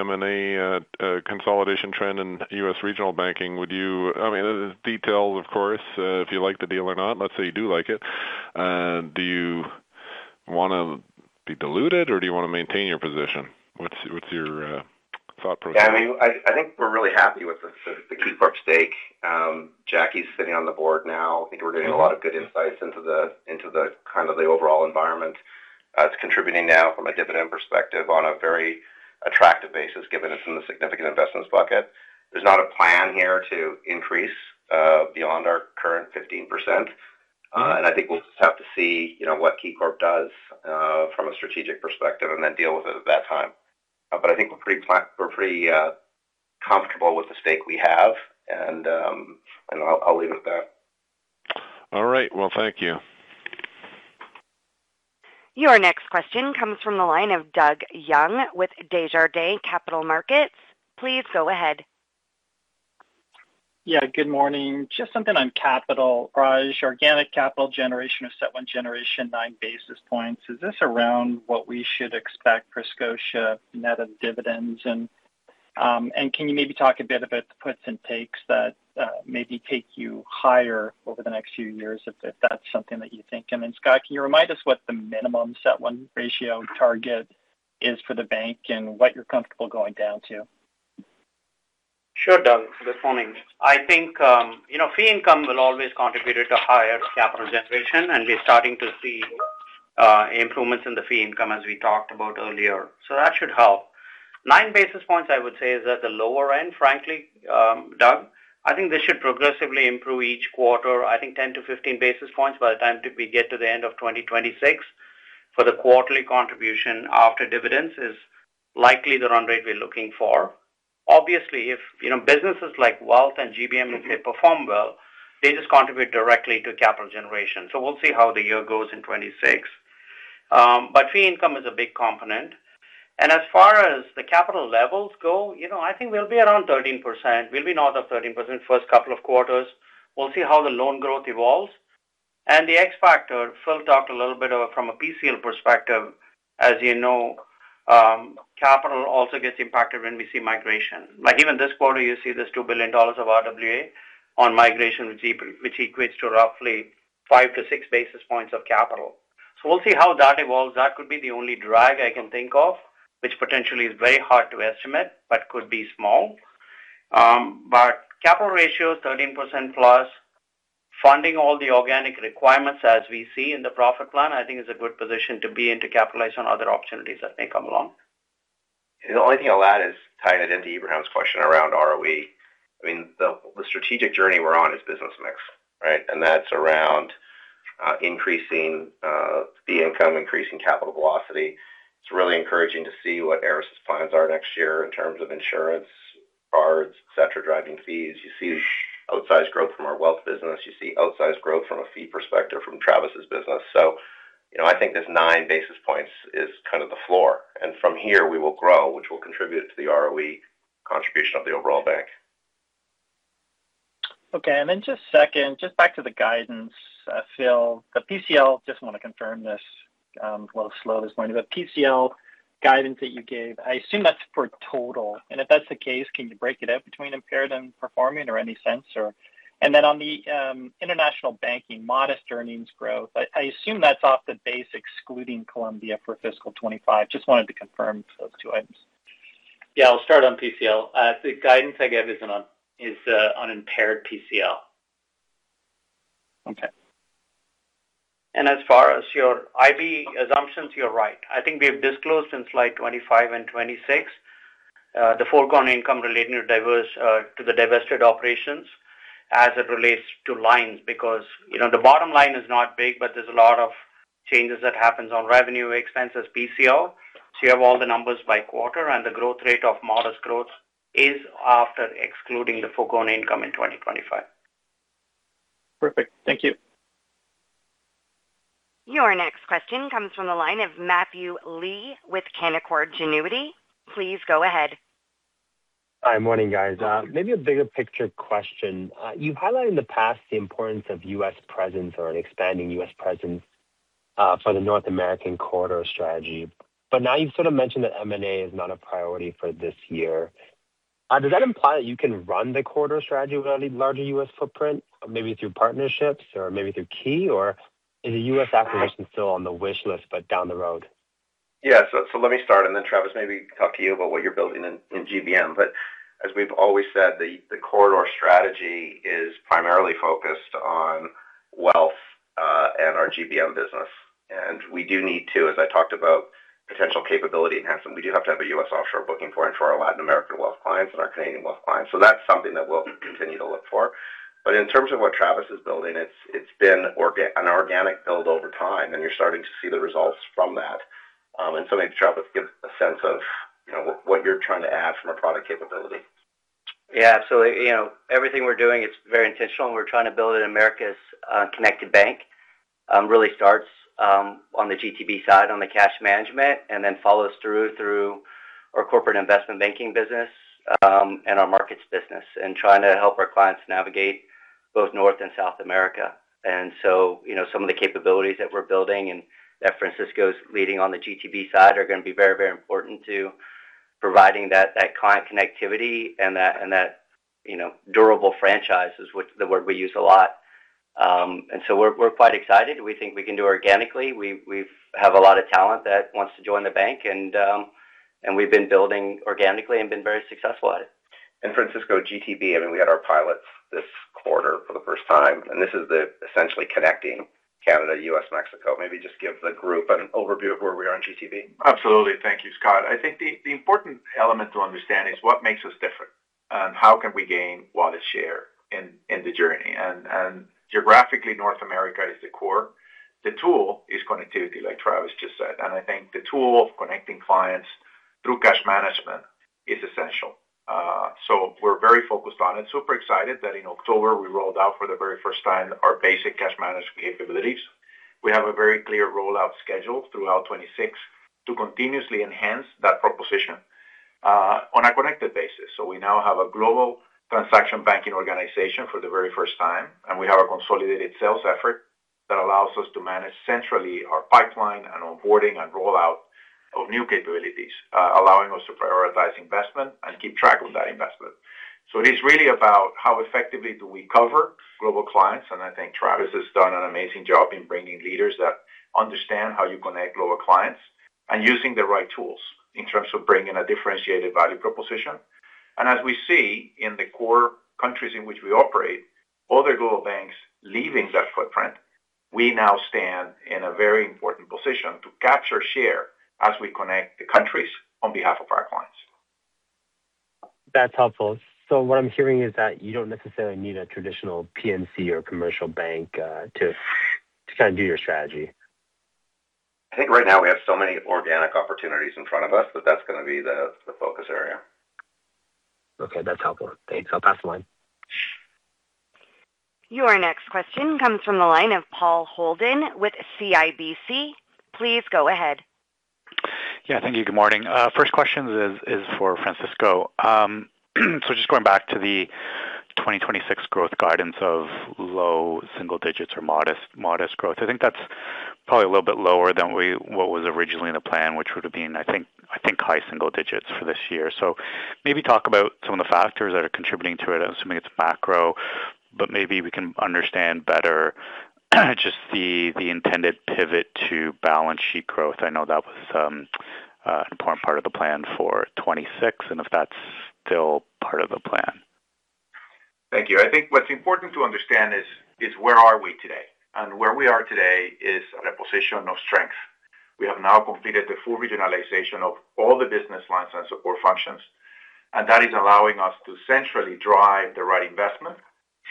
S9: M&A consolidation trend in U.S. regional banking? I mean, details, of course, if you like the deal or not, let's say you do like it. Do you want to be diluted, or do you want to maintain your position? What's your thought process?
S2: Yeah, I mean, I think we're really happy with the KeyCorp stake. Jacqui's sitting on the board now. I think we're getting a lot of good insights into the kind of the overall environment. It's contributing now from a dividend perspective on a very attractive basis given it's in the significant investments bucket. There's not a plan here to increase beyond our current 15%. I think we'll just have to see what KeyCorp does from a strategic perspective and then deal with it at that time. I think we're pretty comfortable with the stake we have, and I'll leave it at that.
S9: All right. Thank you.
S5: Your next question comes from the line of Doug Young with Desjardins Capital Markets. Please go ahead.
S10: Yeah, good morning. Just something on capital. Raj, organic capital generation of set one generation nine basis points. Is this around what we should expect for Scotia net of dividends? Can you maybe talk a bit about the puts and takes that maybe take you higher over the next few years if that's something that you think? Scott, can you remind us what the minimum CET1 ratio target is for the bank and what you're comfortable going down to?
S3: Sure, Doug. Good morning. I think fee income will always contribute to higher capital generation, and we're starting to see improvements in the fee income as we talked about earlier. That should help. Nine basis points, I would say, is at the lower end, frankly, Doug. I think this should progressively improve each quarter. I think 10 basis poins-15 basis points by the time we get to the end of 2026 for the quarterly contribution after dividends is likely the run rate we're looking for. Obviously, if businesses like Wealth and GBM, if they perform well, they just contribute directly to capital generation. We will see how the year goes in 2026. Fee income is a big component. As far as the capital levels go, I think we will be around 13%. We will be north of 13% first couple of quarters. We will see how the loan growth evolves. The X-Factor, Phil talked a little bit of it from a PCL perspective. As you know, capital also gets impacted when we see migration. Like even this quarter, you see this 2 billion dollars of RWA on migration, which equates to roughly five to six basis points of capital. We will see how that evolves. That could be the only drag I can think of, which potentially is very hard to estimate, but could be small. Capital ratios, 13% plus, funding all the organic requirements as we see in the profit plan, I think is a good position to be in to capitalize on other opportunities that may come along.
S2: The only thing I'll add is tying it into Ibrahim's question around ROE. I mean, the strategic journey we're on is business mix, right? And that's around increasing fee income, increasing capital velocity. It's really encouraging to see what Aris's plans are next year in terms of insurance cards, etc., driving fees. You see outsized growth from our wealth business. You see outsized growth from a fee perspective from Travis's business. I think this nine basis points is kind of the floor. From here, we will grow, which will contribute to the ROE contribution of the overall bank.
S10: Okay. Just a second, just back to the guidance, Phil. The PCL, just want to confirm this while the slow this morning. The PCL guidance that you gave, I assume that's for total. If that's the case, can you break it up between impaired and performing or any sense? On the international banking, modest earnings growth. I assume that's off the base, excluding Colombia for fiscal 2025. Just wanted to confirm those two items.
S4: Yeah, I'll start on PCL. The guidance I gave is on impaired PCL. Okay. As far as your IB assumptions, you're right. I think we've disclosed since slide 25 and 26 the foregone income relating to the divested operations as it relates to lines because the bottom line is not big, but there's a lot of changes that happen on revenue, expenses, PCL. You have all the numbers by quarter, and the growth rate of modest growth is after excluding the foregone income in 2025.
S10: Perfect. Thank you.
S5: Your next question comes from the line of Matthew Lee with Canaccord Genuity. Please go ahead.
S11: Hi, morning, guys. Maybe a bigger picture question. You've highlighted in the past the importance of U.S. presence or an expanding U.S. presence for the North American quarter strategy. Now you've sort of mentioned that M&A is not a priority for this year. Does that imply that you can run the quarter strategy with a larger U.S. footprint, maybe through partnerships or maybe through Key, or is the U.S. acquisition still on the wish list but down the road?
S2: Yeah. Let me start, and then Travis maybe talk to you about what you're building in GBM. As we've always said, the corridor strategy is primarily focused on wealth and our GBM business. We do need to, as I talked about potential capability enhancement, have a U.S. offshore booking foreign for our Latin American wealth clients and our Canadian wealth clients. That is something that we'll continue to look for. In terms of what Travis is building, it's been an organic build over time, and you're starting to see the results from that. Maybe Travis gives a sense of what you're trying to add from a product capability.
S4: Yeah, absolutely. Everything we're doing, it's very intentional. We're trying to build an America's connected bank. It really starts on the GTB side, on the cash management, and then follows through through our corporate investment banking business and our markets business and trying to help our clients navigate both North and South America. Some of the capabilities that we're building and that Francisco's leading on the GTB side are going to be very, very important to providing that client connectivity and that durable franchise is the word we use a lot. We are quite excited. We think we can do organically. We have a lot of talent that wants to join the bank, and we've been building organically and been very successful at it.
S2: Francisco, GTB, I mean, we had our pilots this quarter for the first time, and this is essentially connecting Canada, U.S., Mexico. Maybe just give the group an overview of where we are in GTB.
S1: Absolutely. Thank you, Scott. I think the important element to understand is what makes us different and how can we gain what is shared in the journey. Geographically, North America is the core. The tool is connectivity, like Travis just said. I think the tool of connecting clients through cash management is essential. We are very focused on it. Super excited that in October, we rolled out for the very first time our basic cash management capabilities. We have a very clear rollout schedule throughout 2026 to continuously enhance that proposition on a connected basis. We now have a global transaction banking organization for the very first time, and we have a consolidated sales effort that allows us to manage centrally our pipeline and onboarding and rollout of new capabilities, allowing us to prioritize investment and keep track of that investment. It is really about how effectively do we cover global clients. I think Travis has done an amazing job in bringing leaders that understand how you connect global clients and using the right tools in terms of bringing a differentiated value proposition. As we see in the core countries in which we operate, other global banks leaving that footprint, we now stand in a very important position to capture share as we connect the countries on behalf of our clients.
S11: That's helpful. What I'm hearing is that you don't necessarily need a traditional P&C or commercial bank to kind of do your strategy.
S2: I think right now we have so many organic opportunities in front of us that that's going to be the focus area.
S11: Okay. That's helpful. Thanks. I'll pass the line.
S5: Your next question comes from the line of Paul Holden with CIBC. Please go ahead.
S12: Yeah. Thank you. Good morning. First question is for Francisco. Just going back to the 2026 growth guidance of low single digits or modest growth, I think that's probably a little bit lower than what was originally the plan, which would have been, I think, high single digits for this year. Maybe talk about some of the factors that are contributing to it. I'm assuming it's macro, but maybe we can understand better just the intended pivot to balance sheet growth. I know that was an important part of the plan for 2026, and if that's still part of the plan.
S2: Thank you. I think what's important to understand is where are we today? Where we are today is a position of strength. We have now completed the full regionalization of all the business lines and support functions, and that is allowing us to centrally drive the right investment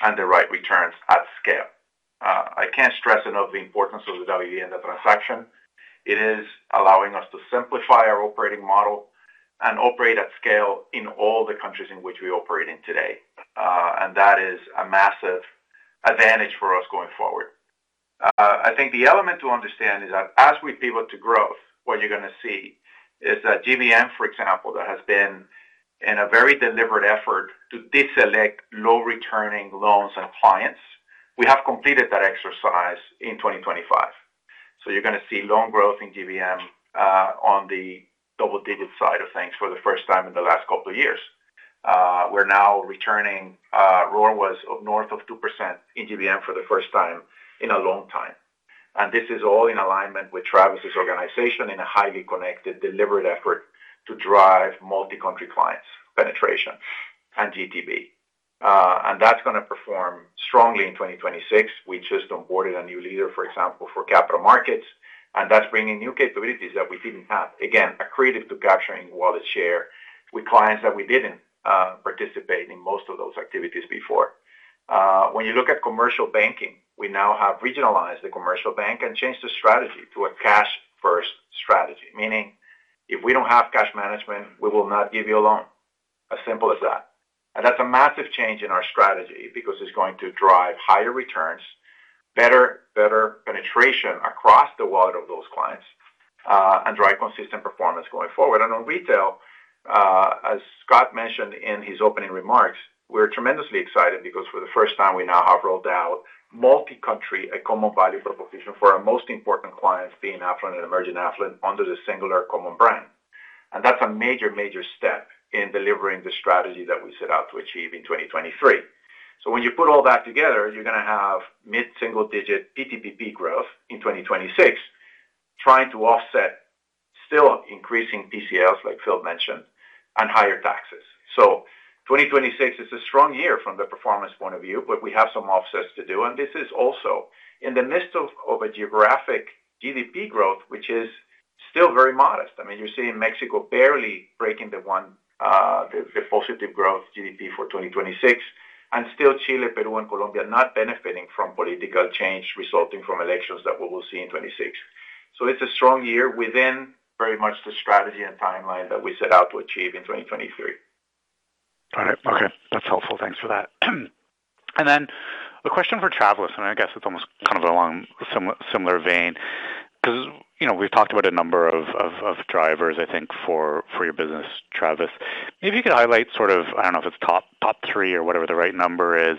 S2: and the right returns at scale. I can't stress enough the importance of the WBN transaction. It is allowing us to simplify our operating model and operate at scale in all the countries in which we operate in today. That is a massive advantage for us going forward. I think the element to understand is that as we pivot to growth, what you're going to see is that GBM, for example, that has been in a very deliberate effort to deselect low-returning loans and clients, we have completed that exercise in 2025. You are going to see loan growth in GBM on the double-digit side of things for the first time in the last couple of years. We're now returning ROA was north of 2% in GBM for the first time in a long time. This is all in alignment with Travis's organization in a highly connected, deliberate effort to drive multi-country clients penetration and GTB. That is going to perform strongly in 2026. We just onboarded a new leader, for example, for capital markets, and that is bringing new capabilities that we did not have. Again, accredited to capturing what is share with clients that we did not participate in most of those activities before. When you look at commercial banking, we now have regionalized the commercial bank and changed the strategy to a cash-first strategy, meaning if we do not have cash management, we will not give you a loan. As simple as that. That is a massive change in our strategy because it is going to drive higher returns, better penetration across the wallet of those clients, and drive consistent performance going forward. On retail, as Scott mentioned in his opening remarks, we are tremendously excited because for the first time, we now have rolled out a multi-country common value proposition for our most important clients, being affluent and emerging affluent under the singular common brand. That is a major, major step in delivering the strategy that we set out to achieve in 2023. When you put all that together, you are going to have mid-single-digit PTPP growth in 2026, trying to offset still increasing PCLs, like Phil mentioned, and higher taxes. 2026 is a strong year from the performance point of view, but we have some offsets to do. This is also in the midst of a geographic GDP growth, which is still very modest. I mean, you're seeing Mexico barely breaking the positive growth GDP for 2026, and still Chile, Peru, and Colombia not benefiting from political change resulting from elections that we will see in 2026. It is a strong year within very much the strategy and timeline that we set out to achieve in 2023.
S12: Got it. Okay. That's helpful. Thanks for that. A question for Travis, and I guess it's almost kind of along a similar vein, because we've talked about a number of drivers, I think, for your business, Travis. Maybe you could highlight sort of, I don't know if it's top three or whatever the right number is.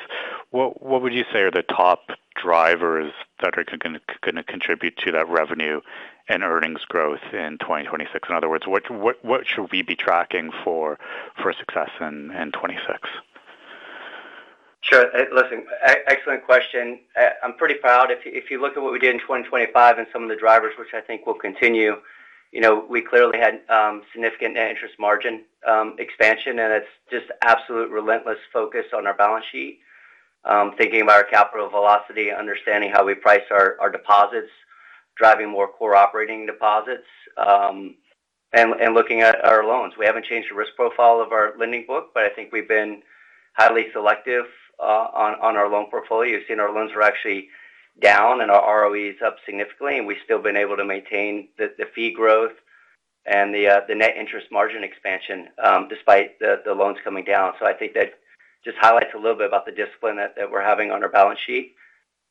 S12: What would you say are the top drivers that are going to contribute to that revenue and earnings growth in 2026? In other words, what should we be tracking for success in 2026?
S2: Sure. Listen, excellent question. I'm pretty proud. If you look at what we did in 2025 and some of the drivers, which I think will continue, we clearly had significant interest margin expansion, and it's just absolute relentless focus on our balance sheet, thinking about our capital velocity, understanding how we price our deposits, driving more core operating deposits, and looking at our loans. We haven't changed the risk profile of our lending book, but I think we've been highly selective on our loan portfolio. You've seen our loans were actually down and our ROE is up significantly, and we've still been able to maintain the fee growth and the net interest margin expansion despite the loans coming down. I think that just highlights a little bit about the discipline that we're having on our balance sheet.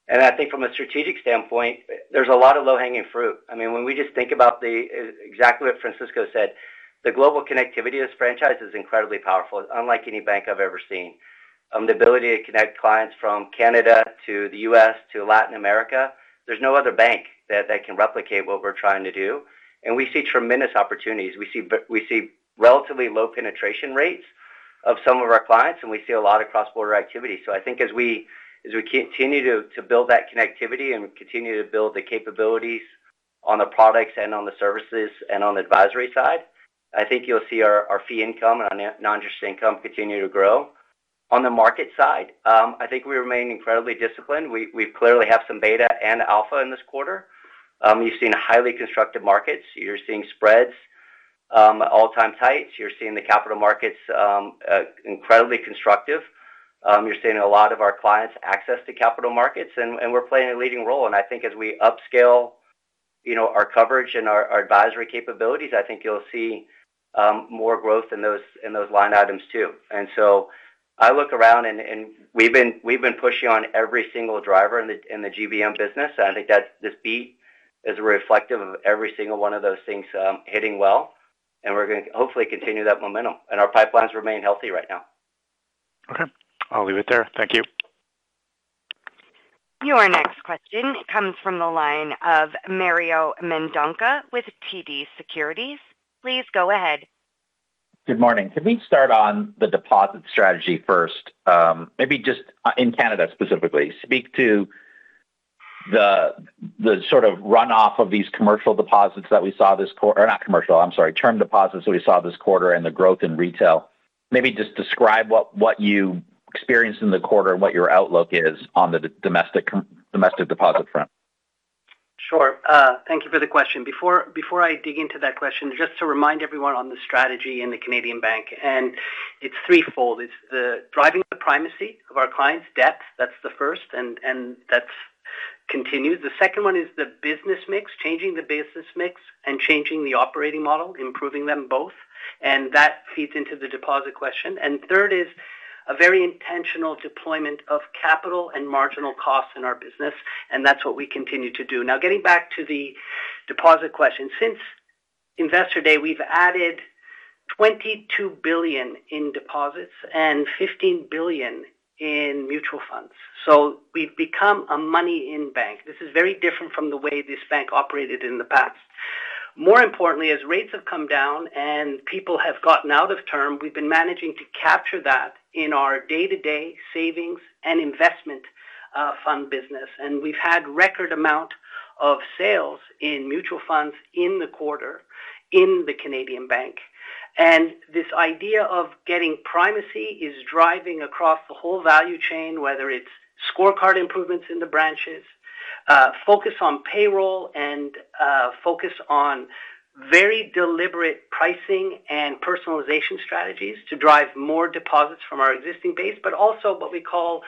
S2: I think from a strategic standpoint, there's a lot of low-hanging fruit. I mean, when we just think about exactly what Francisco said, the global connectivity of this franchise is incredibly powerful, unlike any bank I've ever seen. The ability to connect clients from Canada to the U.S. to Latin America, there's no other bank that can replicate what we're trying to do. We see tremendous opportunities. We see relatively low penetration rates of some of our clients, and we see a lot of cross-border activity. I think as we continue to build that connectivity and continue to build the capabilities on the products and on the services and on the advisory side, I think you'll see our fee income and our non-interest income continue to grow. On the market side, I think we remain incredibly disciplined. We clearly have some beta and alpha in this quarter. You've seen highly constructive markets. You're seeing spreads all-time tights. You're seeing the capital markets incredibly constructive. You're seeing a lot of our clients access the capital markets, and we're playing a leading role. I think as we upscale our coverage and our advisory capabilities, I think you'll see more growth in those line items too. I look around, and we've been pushing on every single driver in the GBM business. I think this beat is reflective of every single one of those things hitting well, and we're going to hopefully continue that momentum. Our pipelines remain healthy right now.
S12: Okay. I'll leave it there. Thank you.
S5: Your next question comes from the line of Mario Mendonca with TD Securities. Please go ahead.
S13: Good morning. Can we start on the deposit strategy first? Maybe just in Canada specifically, speak to the sort of runoff of these commercial deposits that we saw this quarter or not commercial, I'm sorry, term deposits that we saw this quarter and the growth in retail. Maybe just describe what you experienced in the quarter and what your outlook is on the domestic deposit front.
S7: Sure. Thank you for the question. Before I dig into that question, just to remind everyone on the strategy in the Canadian bank, and it's threefold. It's driving the primacy of our clients' debt. That's the first, and that continues. The second one is the business mix, changing the business mix and changing the operating model, improving them both. That feeds into the deposit question. The third is a very intentional deployment of capital and marginal costs in our business, and that's what we continue to do. Now, getting back to the deposit question, since Investor Day, we've added 22 billion in deposits and 15 billion in mutual funds. We have become a money-in bank. This is very different from the way this bank operated in the past. More importantly, as rates have come down and people have gotten out of term, we have been managing to capture that in our day-to-day savings and investment fund business. We have had a record amount of sales in mutual funds in the quarter in the Canadian bank. This idea of getting primacy is driving across the whole value chain, whether it is scorecard improvements in the branches, focus on payroll, and focus on very deliberate pricing and personalization strategies to drive more deposits from our existing base, but also what we call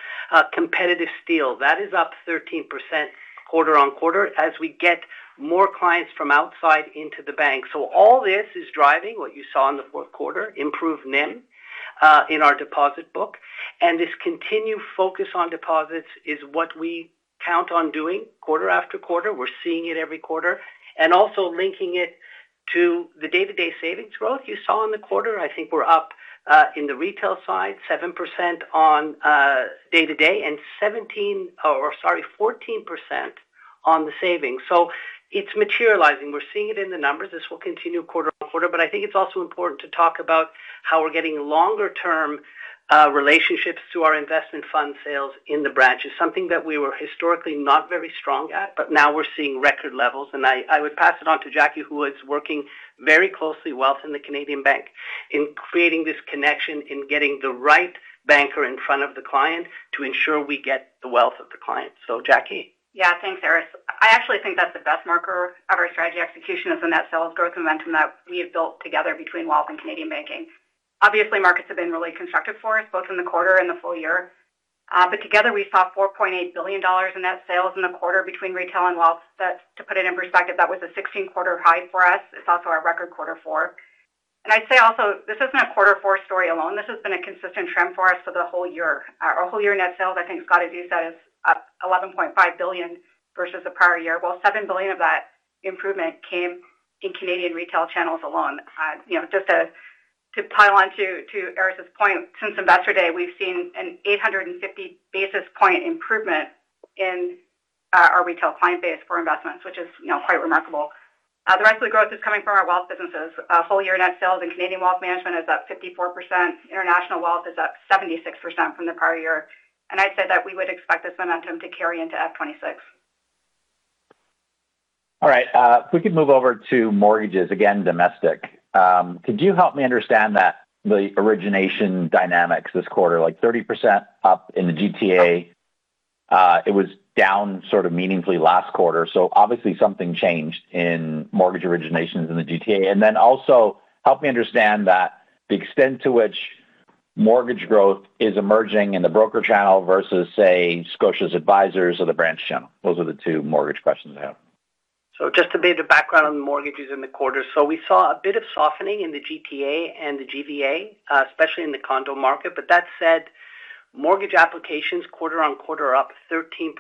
S7: competitive steal. That is up 13% quarter-on-quarter as we get more clients from outside into the bank. All this is driving what you saw in the fourth quarter, improved NIM in our deposit book. This continued focus on deposits is what we count on doing quarter-after-quarter. We're seeing it every quarter. Also linking it to the day-to-day savings growth you saw in the quarter. I think we're up in the retail side, 7% on day-to-day and 14% on the savings. It is materializing. We're seeing it in the numbers. This will continue quarter on quarter. I think it is also important to talk about how we're getting longer-term relationships to our investment fund sales in the branches, something that we were historically not very strong at, but now we're seeing record levels. I would pass it on to Jackie, who is working very closely with Wealth in the Canadian bank in creating this connection and getting the right banker in front of the client to ensure we get the wealth of the client.
S14: Yeah. Thanks, Aris. I actually think that's the best marker of our strategy execution is in that sales growth momentum that we have built together between Wealth and Canadian banking. Obviously, markets have been really constructive for us, both in the quarter and the full year. Together, we saw 4.8 billion dollars in net sales in the quarter between retail and Wealth. To put it in perspective, that was a 16-quarter high for us. It's also our record quarter four. I'd say also, this isn't a quarter four story alone. This has been a consistent trend for us for the whole year. Our whole year net sales, I think Scott has used that as 11.5 billion versus the prior year. Seven billion of that improvement came in Canadian retail channels alone. Just to pile on to Aris's point, since Investor Day, we've seen an 850 basis point improvement in our retail client base for investments, which is quite remarkable. The rest of the growth is coming from our Wealth businesses. Whole year net sales in Canadian Wealth Management is up 54%. International Wealth is up 76% from the prior year. I would say that we would expect this momentum to carry into fiscal 2026.
S13: All right. If we could move over to mortgages, again, domestic. Could you help me understand the origination dynamics this quarter? Like 30% up in the GTA. It was down sort of meaningfully last quarter. Obviously, something changed in mortgage originations in the GTA. Then also help me understand the extent to which mortgage growth is emerging in the broker channel versus, say, Scotia's advisors or the branch channel. Those are the two mortgage questions I have.
S14: Just a bit of background on the mortgages in the quarter. We saw a bit of softening in the GTA and the GVA, especially in the condo market. That said, mortgage applications quarter-on-quarter are up 13%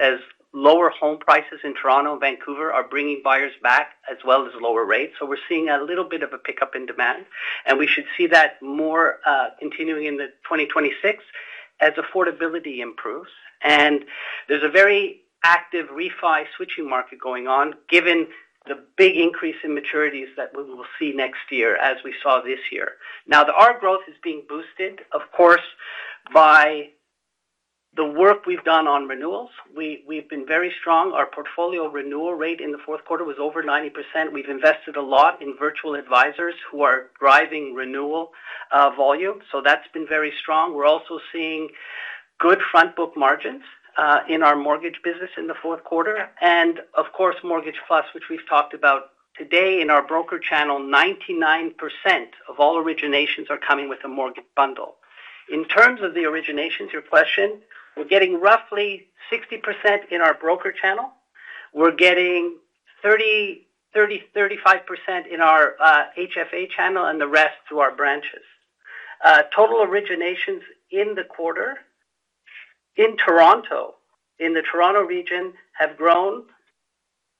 S14: as lower home prices in Toronto and Vancouver are bringing buyers back as well as lower rates. We are seeing a little bit of a pickup in demand. We should see that continue in 2026 as affordability improves. There is a very active refi switching market going on, given the big increase in maturities that we will see next year as we saw this year. Now, our growth is being boosted, of course, by the work we've done on renewals. We've been very strong. Our portfolio renewal rate in the fourth quarter was over 90%. We've invested a lot in virtual advisors who are driving renewal volume. That's been very strong. We're also seeing good front-book margins in our mortgage business in the fourth quarter. Mortgage+ which we've talked about today in our broker channel, 99% of all originations are coming with a mortgage bundle. In terms of the originations, your question, we're getting roughly 60% in our broker channel. We're getting 30%-35% in our HFA channel and the rest through our branches. Total originations in the quarter in Toronto, in the Toronto region, have grown.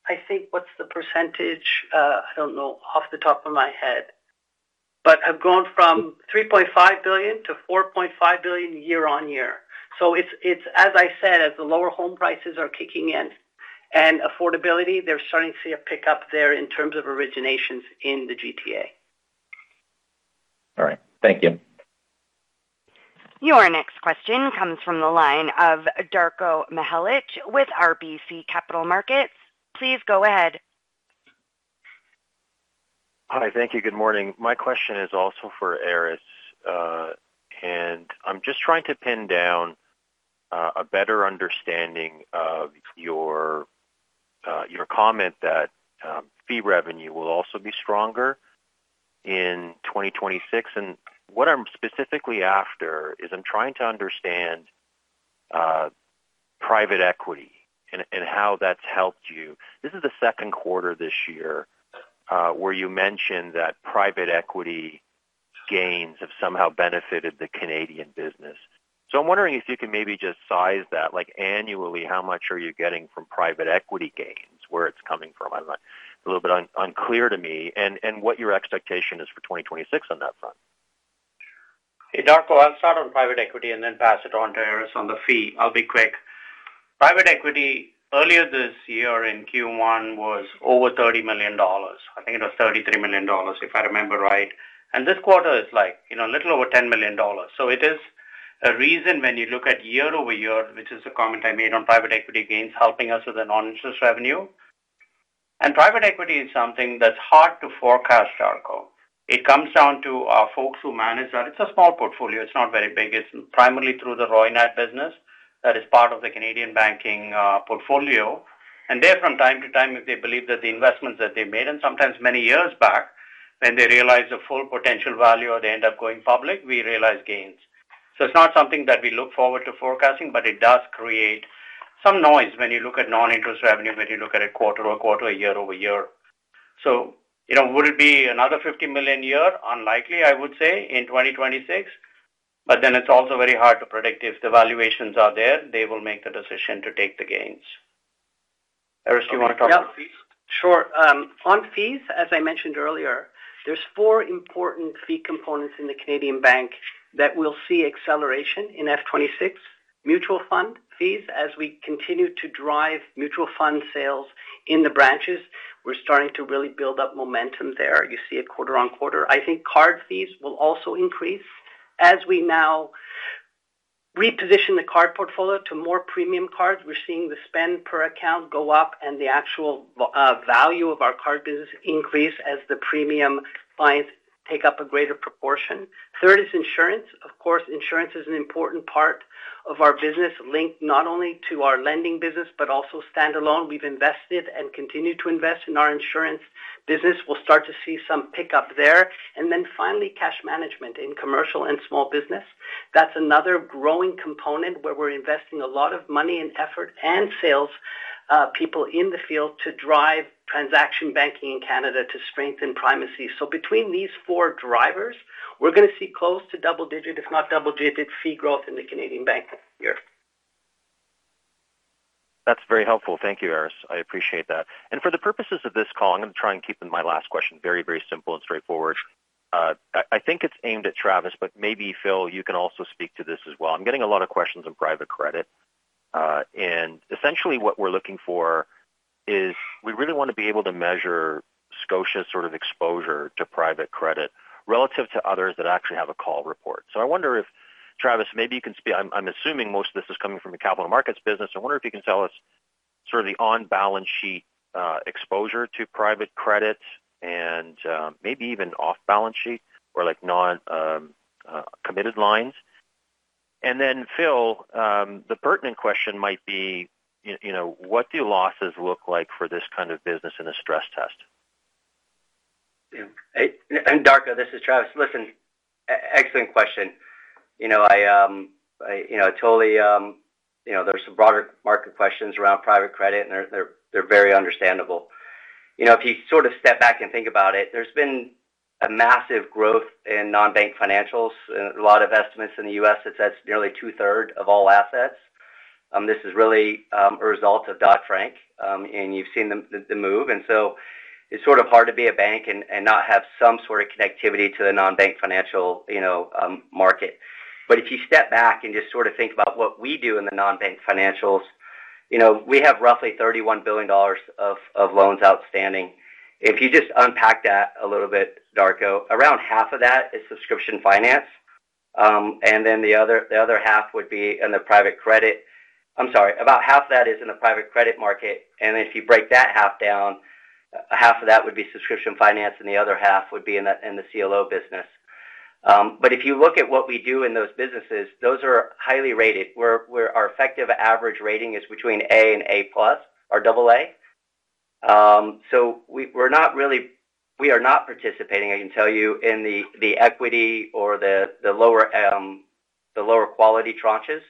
S14: I think what's the percentage? I don't know off the top of my head, but have grown from $3.5 billion to $4.5 billion year-on-year. So it's, as I said, as the lower home prices are kicking in and affordability, they're starting to see a pickup there in terms of originations in the GTA.
S13: All right. Thank you.
S5: Your next question comes from the line of Darko Mihelic with RBC Capital Markets. Please go ahead.
S15: Hi. Thank you. Good morning. My question is also for Aris. I'm just trying to pin down a better understanding of your comment that fee revenue will also be stronger in 2026. What I'm specifically after is I'm trying to understand private equity and how that's helped you. This is the second quarter this year where you mentioned that private equity gains have somehow benefited the Canadian business. I'm wondering if you can maybe just size that. Annually, how much are you getting from private equity gains? Where it's coming from? It's a little bit unclear to me. What your expectation is for 2026 on that front?
S7: Hey, Darko, I'll start on private equity and then pass it on to Aris on the fee. I'll be quick. Private equity earlier this year in Q1 was over 30 million dollars. I think it was 33 million dollars, if I remember right. This quarter is a little over 10 million dollars. It is a reason when you look at year over year, which is a comment I made on private equity gains helping us with the non-interest revenue. Private equity is something that's hard to forecast, Darko. It comes down to our folks who manage that. It's a small portfolio. It's not very big. It's primarily through the Roynat business that is part of the Canadian banking portfolio. They, from time to time, if they believe that the investments that they made, and sometimes many years back, when they realize the full potential value or they end up going public, we realize gains. It's not something that we look forward to forecasting, but it does create some noise when you look at non-interest revenue, when you look at a quarter-over-quarter, a year-over-year. Would it be another 50 million year? Unlikely, I would say, in 2026. It's also very hard to predict. If the valuations are there, they will make the decision to take the gains.
S2: Aris, do you want to talk about fees?
S7: Sure.
S14: On fees, as I mentioned earlier, there are four important fee components in the Canadian bank that we will see acceleration in F 2026. Mutual fund fees, as we continue to drive mutual fund sales in the branches, we are starting to really build up momentum there. You see it quarter-on-quarter. I think card fees will also increase. As we now reposition the card portfolio to more premium cards, we are seeing the spend per account go up and the actual value of our card business increase as the premium clients take up a greater proportion. Third is insurance. Of course, insurance is an important part of our business linked not only to our lending business, but also standalone. We have invested and continue to invest in our insurance business. We will start to see some pickup there. Finally, cash management in commercial and small business. That's another growing component where we're investing a lot of money and effort and sales people in the field to drive transaction banking in Canada to strengthen primacy. Between these four drivers, we're going to see close to double-digit, if not double-digit, fee growth in the Canadian banking year.
S15: That's very helpful. Thank you, Aris. I appreciate that. For the purposes of this call, I'm going to try and keep my last question very, very simple and straightforward. I think it's aimed at Travis, but maybe, Phil, you can also speak to this as well. I'm getting a lot of questions on private credit. Essentially, what we're looking for is we really want to be able to measure Scotia's sort of exposure to private credit relative to others that actually have a call report. I wonder if Travis, maybe you can speak. I'm assuming most of this is coming from the capital markets business. I wonder if you can tell us sort of the on-balance sheet exposure to private credit and maybe even off-balance sheet or non-committed lines. Phil, the pertinent question might be, what do losses look like for this kind of business in a stress test?
S2: Darko, this is Travis. Listen, excellent question. I totally, there's some broader market questions around private credit, and they're very understandable. If you sort of step back and think about it, there's been a massive growth in non-bank financials. A lot of estimates in the U.S. that says nearly two-thirds of all assets. This is really a result of Dodd-Frank, and you've seen the move. It is sort of hard to be a bank and not have some sort of connectivity to the non-bank financial market. If you step back and just sort of think about what we do in the non-bank financials, we have roughly 31 billion dollars of loans outstanding. If you just unpack that a little bit, Darko, around half of that is subscription finance. The other half would be in the private credit. I'm sorry. About half of that is in the private credit market. If you break that half down, half of that would be subscription finance, and the other half would be in the CLO business. If you look at what we do in those businesses, those are highly rated. Our effective average rating is between A and A-plus, or double A. We are not really participating, I can tell you, in the equity or the lower quality tranches,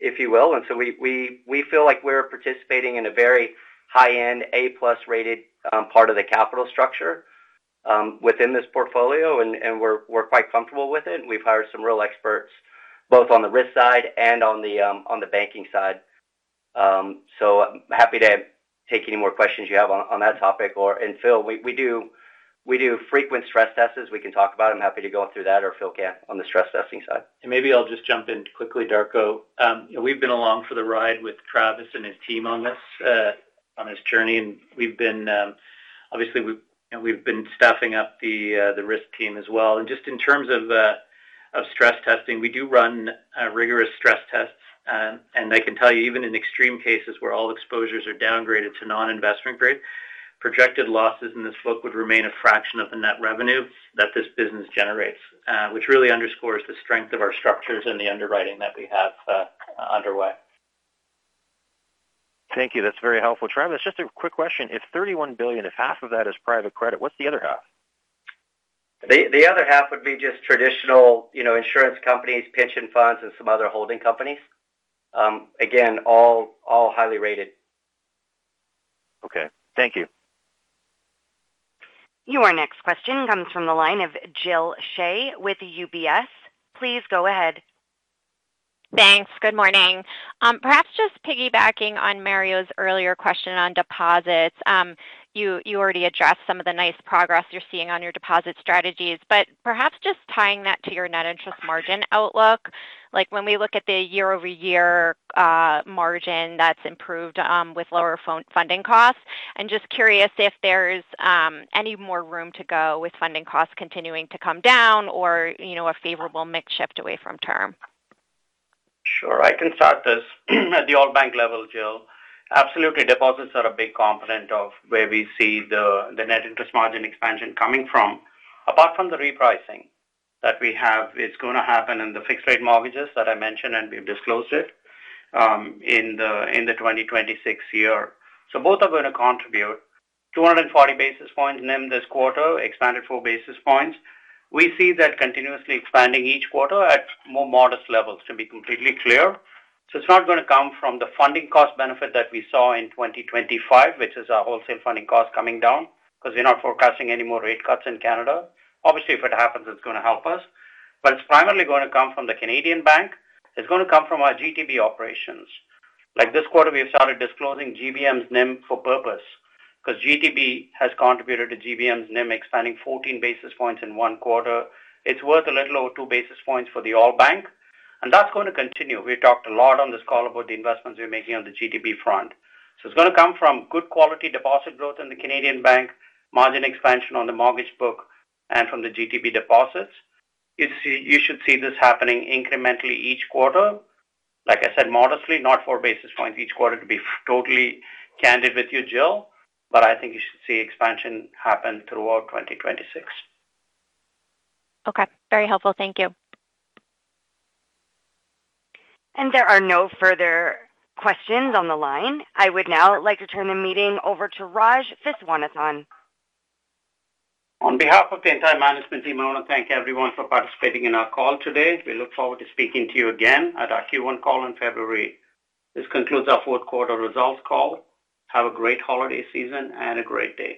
S2: if you will. We feel like we are participating in a very high-end A-plus rated part of the capital structure within this portfolio, and we are quite comfortable with it. We have hired some real experts both on the risk side and on the banking side. I am happy to take any more questions you have on that topic. Phil, we do frequent stress tests. We can talk about them. I am happy to go through that or Phil can on the stress testing side.
S4: Maybe I will just jump in quickly, Darko. We have been along for the ride with Travis and his team on this journey. Obviously, we have been staffing up the risk team as well. Just in terms of stress testing, we do run rigorous stress tests. I can tell you, even in extreme cases where all exposures are downgraded to non-investment grade, projected losses in this book would remain a fraction of the net revenue that this business generates, which really underscores the strength of our structures and the underwriting that we have underway.
S15: Thank you. That's very helpful. Travis, just a quick question. If $31 billion, if half of that is private credit, what's the other half?
S2: The other half would be just traditional insurance companies, pension funds, and some other holding companies. Again, all highly rated.
S15: Okay. Thank you.
S5: Your next question comes from the line of Jill Shea with UBS. Please go ahead.
S16: Thanks. Good morning. Perhaps just piggybacking on Mario's earlier question on deposits, you already addressed some of the nice progress you're seeing on your deposit strategies. Perhaps just tying that to your net interest margin outlook, when we look at the year-over-year margin, that's improved with lower funding costs. Just curious if there's any more room to go with funding costs continuing to come down or a favorable mix shift away from term.
S3: Sure. I can start this at the all-bank level, Jill. Absolutely. Deposits are a big component of where we see the net interest margin expansion coming from. Apart from the repricing that we have, it's going to happen in the fixed-rate mortgages that I mentioned, and we've disclosed it in the 2026 year. Both are going to contribute. 240 basis points NIM this quarter, expanded four basis points. We see that continuously expanding each quarter at more modest levels, to be completely clear. It's not going to come from the funding cost benefit that we saw in 2025, which is our wholesale funding cost coming down because we're not forecasting any more rate cuts in Canada. Obviously, if it happens, it's going to help us. It's primarily going to come from the Canadian bank. It's going to come from our GTB operations. This quarter, we have started disclosing GBM's NIM for purpose because GTB has contributed to GBM's NIM expanding 14 basis points in one quarter. It's worth a little over two basis points for the all-bank. That's going to continue. We talked a lot on this call about the investments we're making on the GTB front. It's going to come from good quality deposit growth in the Canadian bank, margin expansion on the mortgage book, and from the GTB deposits. You should see this happening incrementally each quarter. Like I said, modestly, not four basis points each quarter, to be totally candid with you, Jill. I think you should see expansion happen throughout 2026.
S16: Okay. Very helpful. Thank you.
S5: There are no further questions on the line. I would now like to turn the meeting over to Raj Viswanathan.
S3: On behalf of the entire management team, I want to thank everyone for participating in our call today. We look forward to speaking to you again at our Q1 call in February. This concludes our fourth quarter results call. Have a great holiday season and a great day.